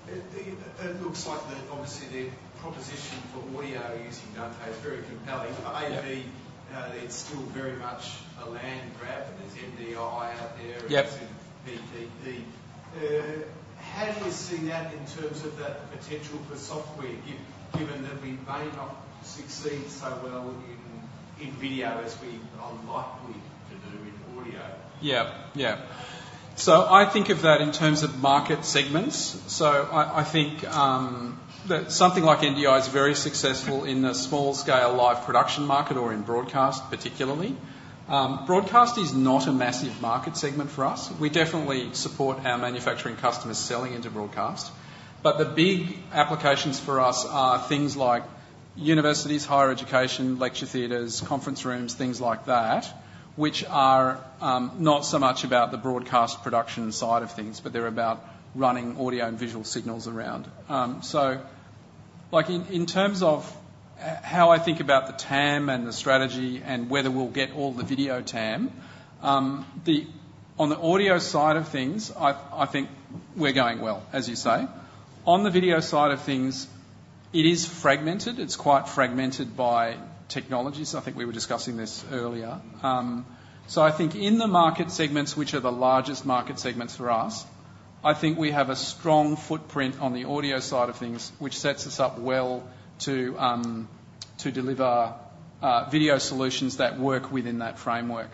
It looks like, obviously, the proposition for audio using Dante is very compelling. Yeah. But AV, it's still very much a land grab, and there's NDI out there. Yep. -and BDD. How do you see that in terms of that potential for software, given that we may not succeed so well in video as we are likely to do in audio? Yeah. Yeah. So I think of that in terms of market segments. So I think that something like NDI is very successful in a small scale live production market or in broadcast, particularly. Broadcast is not a massive market segment for us. We definitely support our manufacturing customers selling into broadcast, but the big applications for us are things like universities, higher education, lecture theaters, conference rooms, things like that, which are not so much about the broadcast production side of things, but they're about running audio and visual signals around. So, like, in terms of how I think about the TAM and the strategy and whether we'll get all the video TAM, On the audio side of things, I think we're going well, as you say. On the video side of things, it is fragmented. It's quite fragmented by technologies. I think we were discussing this earlier, so I think in the market segments, which are the largest market segments for us, I think we have a strong footprint on the audio side of things, which sets us up well to deliver video solutions that work within that framework.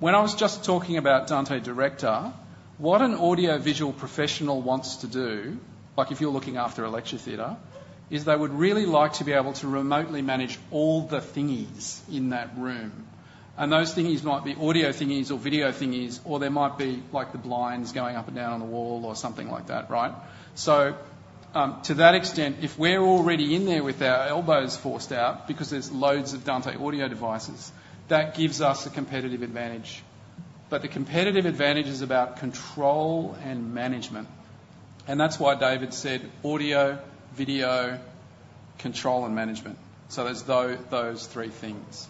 When I was just talking about Dante Director, what an audiovisual professional wants to do, like if you're looking after a lecture theater, is they would really like to be able to remotely manage all the thingies in that room, and those thingies might be audio thingies or video thingies, or they might be like the blinds going up and down on the wall or something like that, right? So, to that extent, if we're already in there with our elbows forced out because there's loads of Dante audio devices, that gives us a competitive advantage. But the competitive advantage is about control and management, and that's why David said, "Audio, video, control and management." So there's those three things.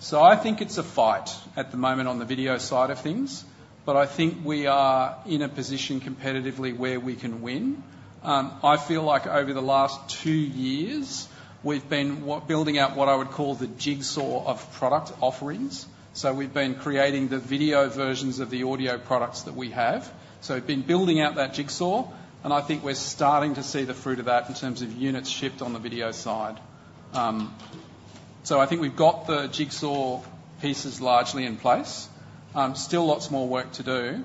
So I think it's a fight at the moment on the video side of things, but I think we are in a position competitively where we can win. I feel like over the last two years, we've been building out what I would call the jigsaw of product offerings. So we've been creating the video versions of the audio products that we have. So we've been building out that jigsaw, and I think we're starting to see the fruit of that in terms of units shipped on the video side. So I think we've got the jigsaw pieces largely in place. Still lots more work to do.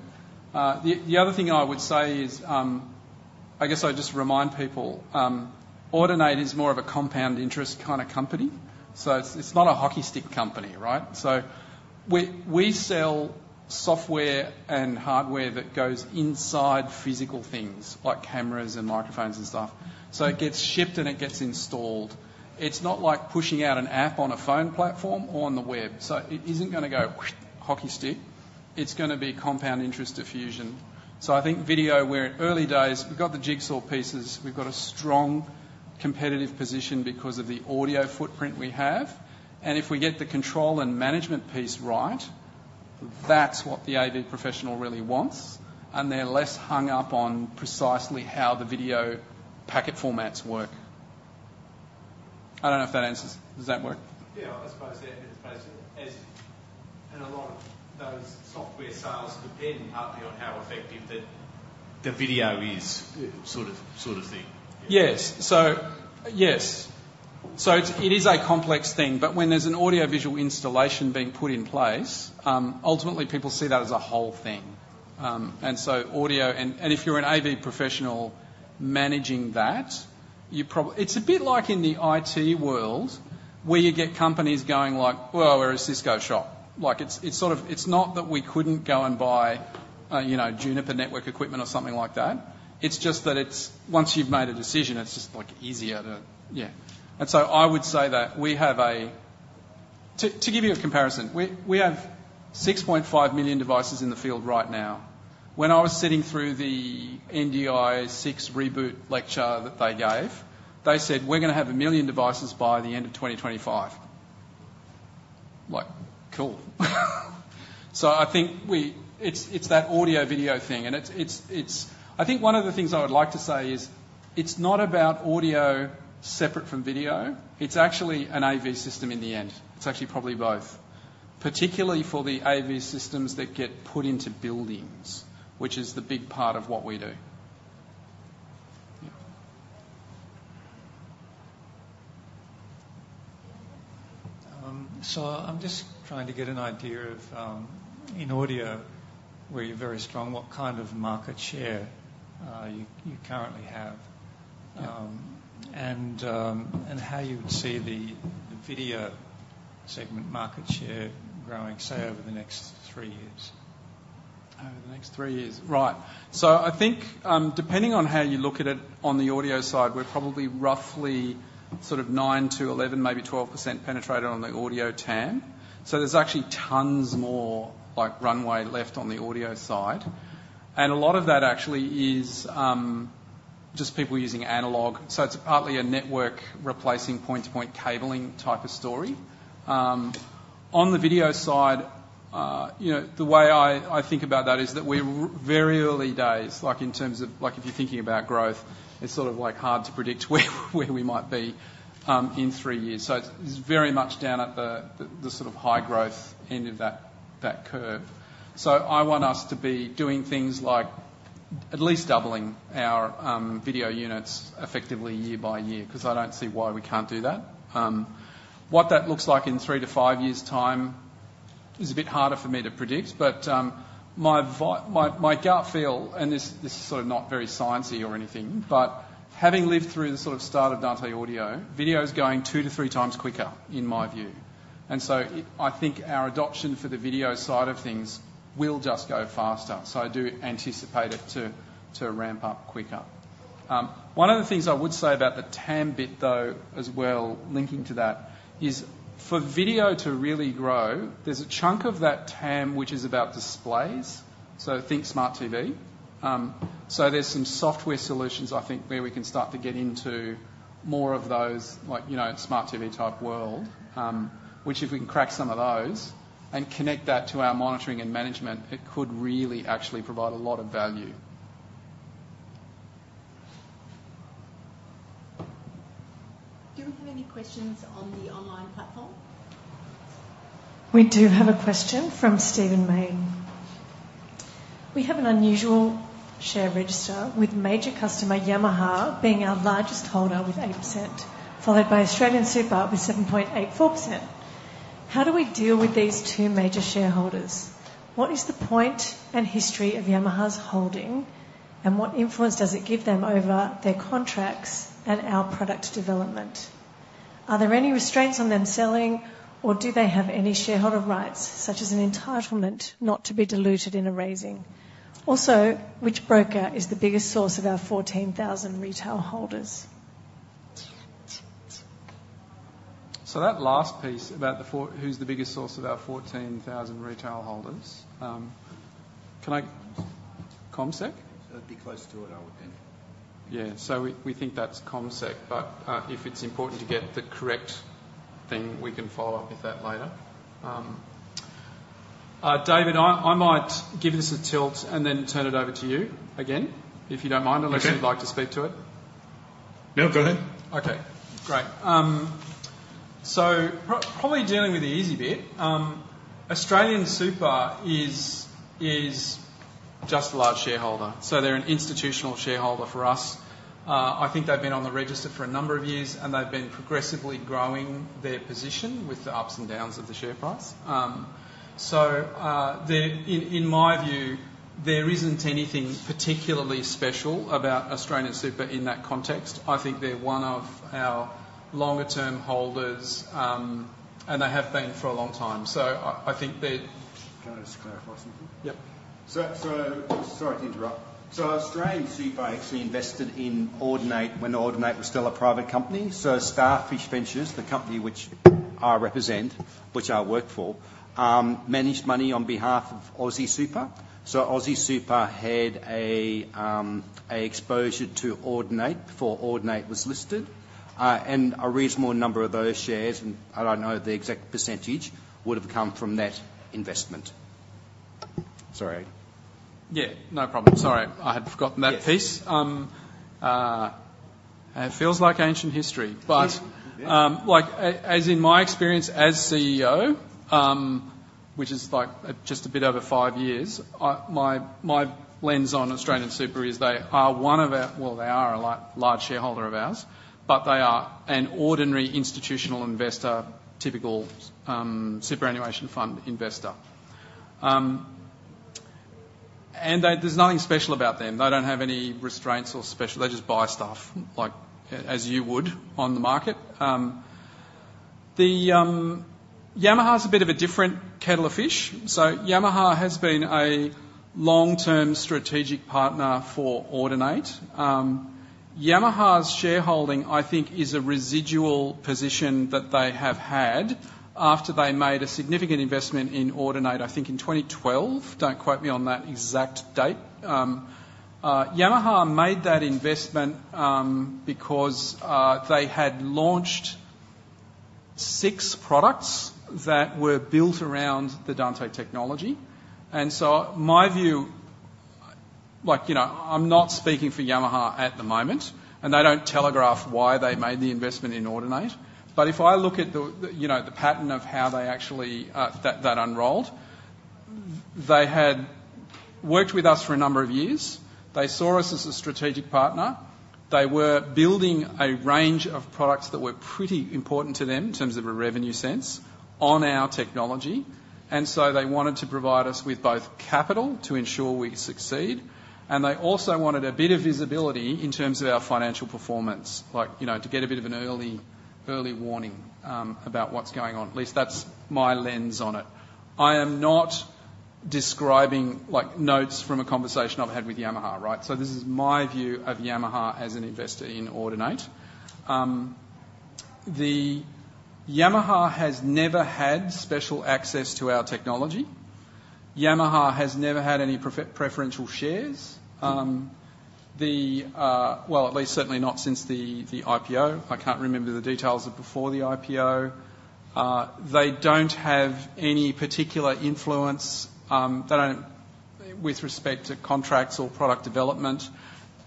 The other thing I would say is, I guess I'd just remind people, Audinate is more of a compound interest kind of company, so it's not a hockey stick company, right? So we sell software and hardware that goes inside physical things, like cameras and microphones and stuff. So it gets shipped, and it gets installed. It's not like pushing out an app on a phone platform or on the web, so it isn't going to go, hockey stick. It's going to be compound interest diffusion. So I think video, we're in early days. We've got the jigsaw pieces. We've got a strong competitive position because of the audio footprint we have, and if we get the control and management piece right, that's what the AV professional really wants, and they're less hung up on precisely how the video packet formats work. I don't know if that answers. Does that work? Yeah, I suppose that a lot of those software sales depend partly on how effective the video is, sort of thing. Yes. So it is a complex thing, but when there's an audiovisual installation being put in place, ultimately people see that as a whole thing. And so audio, and if you're an AV professional managing that, you probably. It's a bit like in the IT world, where you get companies going like, "Well, we're a Cisco shop." Like, it's sort of, it's not that we couldn't go and buy, you know, Juniper Networks equipment or something like that. It's just that it's... Once you've made a decision, it's just, like, easier to... Yeah. And so I would say that we have a... To give you a comparison, we have 6.5 million devices in the field right now. When I was sitting through the NDI 6 reboot lecture that they gave, they said, "We're going to have a million devices by the end of 2025." Like, cool. So I think it's that audio-video thing, and it's. I think one of the things I would like to say is, it's not about audio separate from video, it's actually an AV system in the end. It's actually probably both, particularly for the AV systems that get put into buildings, which is the big part of what we do. Yeah. So I'm just trying to get an idea of, in audio, where you're very strong, what kind of market share you currently have? And how you would see the video segment market share growing, say, over the next three years. Over the next three years. Right. So I think, depending on how you look at it, on the audio side, we're probably roughly sort of 9-11, maybe 12% penetrated on the audio TAM. So there's actually tons more like runway left on the audio side. And a lot of that actually is just people using analog, so it's partly a network replacing point-to-point cabling type of story. On the video side, you know, the way I think about that is that we're very early days, like, in terms of, like, if you're thinking about growth, it's sort of, like, hard to predict where we might be in three years. So it's very much down at the sort of high growth end of that curve. I want us to be doing things like at least doubling our video units effectively year-by-year, 'cause I don't see why we can't do that. What that looks like in three to five years' time is a bit harder for me to predict, but my gut feel, and this is sort of not very sciencey or anything, but having lived through the sort of start of Dante Audio, video is going two to three times quicker, in my view. And so I think our adoption for the video side of things will just go faster, so I do anticipate it to ramp up quicker. One of the things I would say about the TAM bit, though, as well, linking to that, is for video to really grow, there's a chunk of that TAM which is about displays, so think smart TV. So there's some software solutions, I think, where we can start to get into more of those, like, you know, smart TV-type world, which, if we can crack some of those and connect that to our monitoring and management, it could really actually provide a lot of value. Do we have any questions on the online platform? We do have a question from Stephen Mayne. We have an unusual share register, with major customer Yamaha being our largest holder with 8%, followed by AustralianSuper with 7.84%. How do we deal with these two major shareholders? What is the point and history of Yamaha's holding, and what influence does it give them over their contracts and our product development? Are there any restraints on them selling, or do they have any shareholder rights, such as an entitlement not to be diluted in a raising? Also, which broker is the biggest source of our 14,000 retail holders? So that last piece about the four, who's the biggest source of our 14,000 retail holders, can I... CommSec? It'd be close to it, I would think. Yeah. So we think that's CommSec, but if it's important to get the correct thing, we can follow up with that later. David, I might give this a tilt and then turn it over to you again, if you don't mind- Okay. - unless you'd like to speak to it. No, go ahead. Okay, great. So probably dealing with the easy bit. AustralianSuper is just a large shareholder, so they're an institutional shareholder for us. I think they've been on the register for a number of years, and they've been progressively growing their position with the ups and downs of the share price. So, there, in my view, there isn't anything particularly special about AustralianSuper in that context. I think they're one of our longer-term holders, and they have been for a long time. So I think they're- Can I just clarify something? Yeah. So, so sorry to interrupt. So AustralianSuper actually invested in Audinate when Audinate was still a private company. So Starfish Ventures, the company which I represent, which I work for, managed money on behalf of AussieSuper. So AussieSuper had a exposure to Audinate before Audinate was listed, and a reasonable number of those shares, and I don't know the exact percentage, would have come from that investment. Sorry. Yeah, no problem. Sorry, I had forgotten that piece. Yeah. It feels like ancient history, but- Yeah. Like, as in my experience as CEO, which is, like, just a bit over five years, my lens on AustralianSuper is they are one of our... Well, they are a large shareholder of ours, but they are an ordinary institutional investor, typical superannuation fund investor, and there's nothing special about them. They don't have any restraints or special... They just buy stuff like, as you would on the market. The Yamaha is a bit of a different kettle of fish. So Yamaha has been a long-term strategic partner for Audinate. Yamaha's shareholding, I think, is a residual position that they have had after they made a significant investment in Audinate, I think, in 2012. Don't quote me on that exact date. Yamaha made that investment because they had launched six products that were built around the Dante technology, and so my view, like, you know, I'm not speaking for Yamaha at the moment, and they don't telegraph why they made the investment in Audinate, but if I look at the, you know, the pattern of how they actually unrolled, they had worked with us for a number of years. They saw us as a strategic partner. They were building a range of products that were pretty important to them in terms of a revenue sense on our technology, and so they wanted to provide us with both capital to ensure we succeed, and they also wanted a bit of visibility in terms of our financial performance. Like, you know, to get a bit of an early warning about what's going on. At least that's my lens on it. I am not describing, like, notes from a conversation I've had with Yamaha, right? So this is my view of Yamaha as an investor in Audinate. The Yamaha has never had special access to our technology. Yamaha has never had any preferential shares. Well, at least certainly not since the IPO. I can't remember the details of before the IPO. They don't have any particular influence with respect to contracts or product development,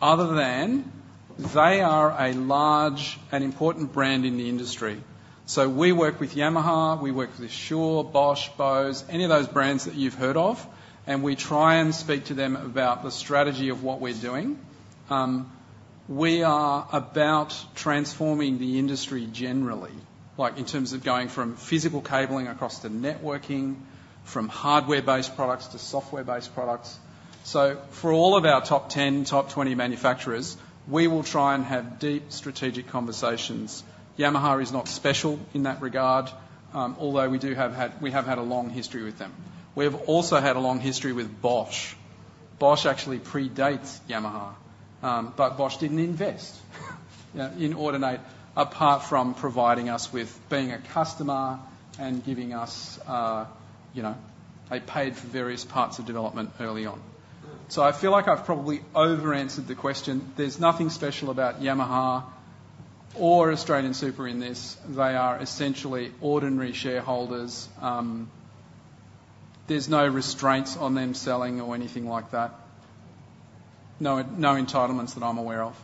other than they are a large and important brand in the industry. So we work with Yamaha, we work with Shure, Bosch, Bose, any of those brands that you've heard of, and we try and speak to them about the strategy of what we're doing. We are about transforming the industry generally, like in terms of going from physical cabling across to networking, from hardware-based products to software-based products, so for all of our top 10, top 20 manufacturers, we will try and have deep strategic conversations. Yamaha is not special in that regard, although we have had a long history with them. We have also had a long history with Bosch. Bosch actually predates Yamaha, but Bosch didn't invest, yeah, in Audinate, apart from providing us with being a customer and giving us, you know, they paid for various parts of development early on, so I feel like I've probably overanswered the question. There's nothing special about Yamaha or AustralianSuper in this. They are essentially ordinary shareholders. There's no restraints on them selling or anything like that. No, no entitlements that I'm aware of.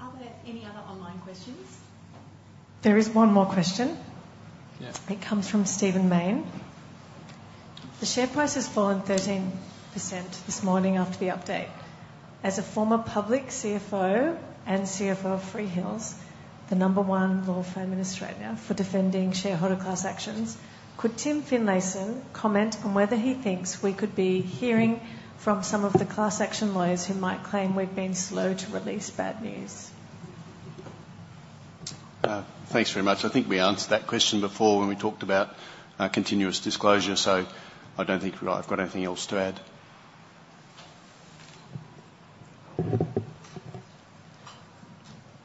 Are there any other online questions? There is one more question. Yes. It comes from Stephen Mayne. The share price has fallen 13% this morning after the update. As a former public CFO and CFO of Freehills, the number one law firm in Australia for defending shareholder class actions, could Tim Finlayson comment on whether he thinks we could be hearing from some of the class action lawyers who might claim we've been slow to release bad news? Thanks very much. I think we answered that question before when we talked about continuous disclosure, so I don't think I've got anything else to add.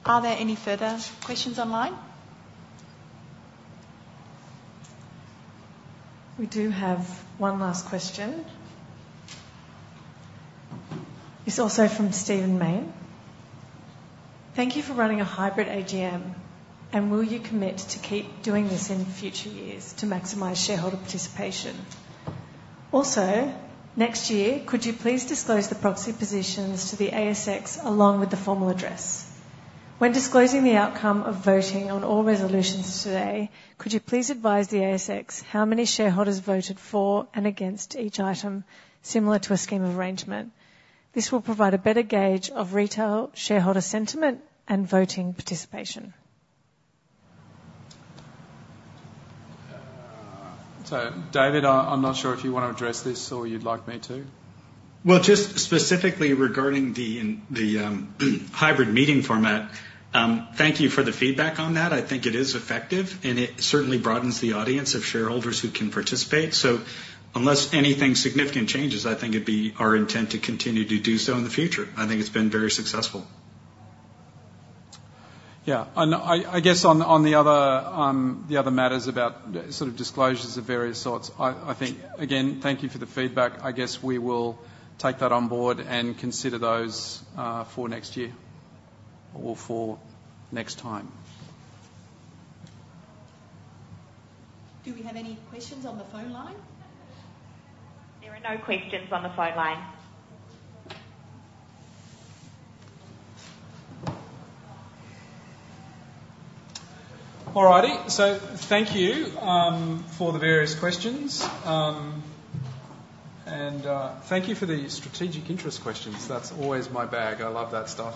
Are there any further questions online? We do have one last question. It's also from Stephen Mayne. Thank you for running a hybrid AGM, and will you commit to keep doing this in future years to maximize shareholder participation? Also, next year, could you please disclose the proxy positions to the ASX, along with the formal address? When disclosing the outcome of voting on all resolutions today, could you please advise the ASX how many shareholders voted for and against each item, similar to a scheme of arrangement? This will provide a better gauge of retail shareholder sentiment and voting participation. So, David, I'm not sure if you want to address this or you'd like me to. Just specifically regarding the hybrid meeting format, thank you for the feedback on that. I think it is effective, and it certainly broadens the audience of shareholders who can participate. So unless anything significant changes, I think it'd be our intent to continue to do so in the future. I think it's been very successful. Yeah, and I guess on the other matters about sort of disclosures of various sorts, I think, again, thank you for the feedback. I guess we will take that on board and consider those for next year or for next time. Do we have any questions on the phone line? There are no questions on the phone line. All righty. So thank you for the various questions. And thank you for the strategic interest questions. That's always my bag. I love that stuff.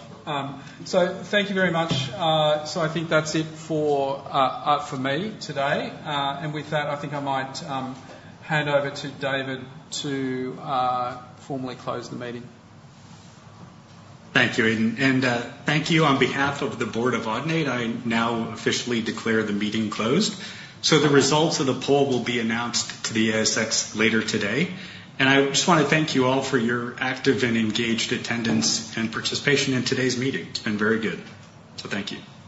So thank you very much. So I think that's it for me today. And with that, I think I might hand over to David to formally close the meeting. Thank you, Aidan, and thank you on behalf of the Board of Audinate. I now officially declare the meeting closed. So the results of the poll will be announced to the ASX later today, and I just want to thank you all for your active and engaged attendance and participation in today's meeting. It's been very good. So thank you.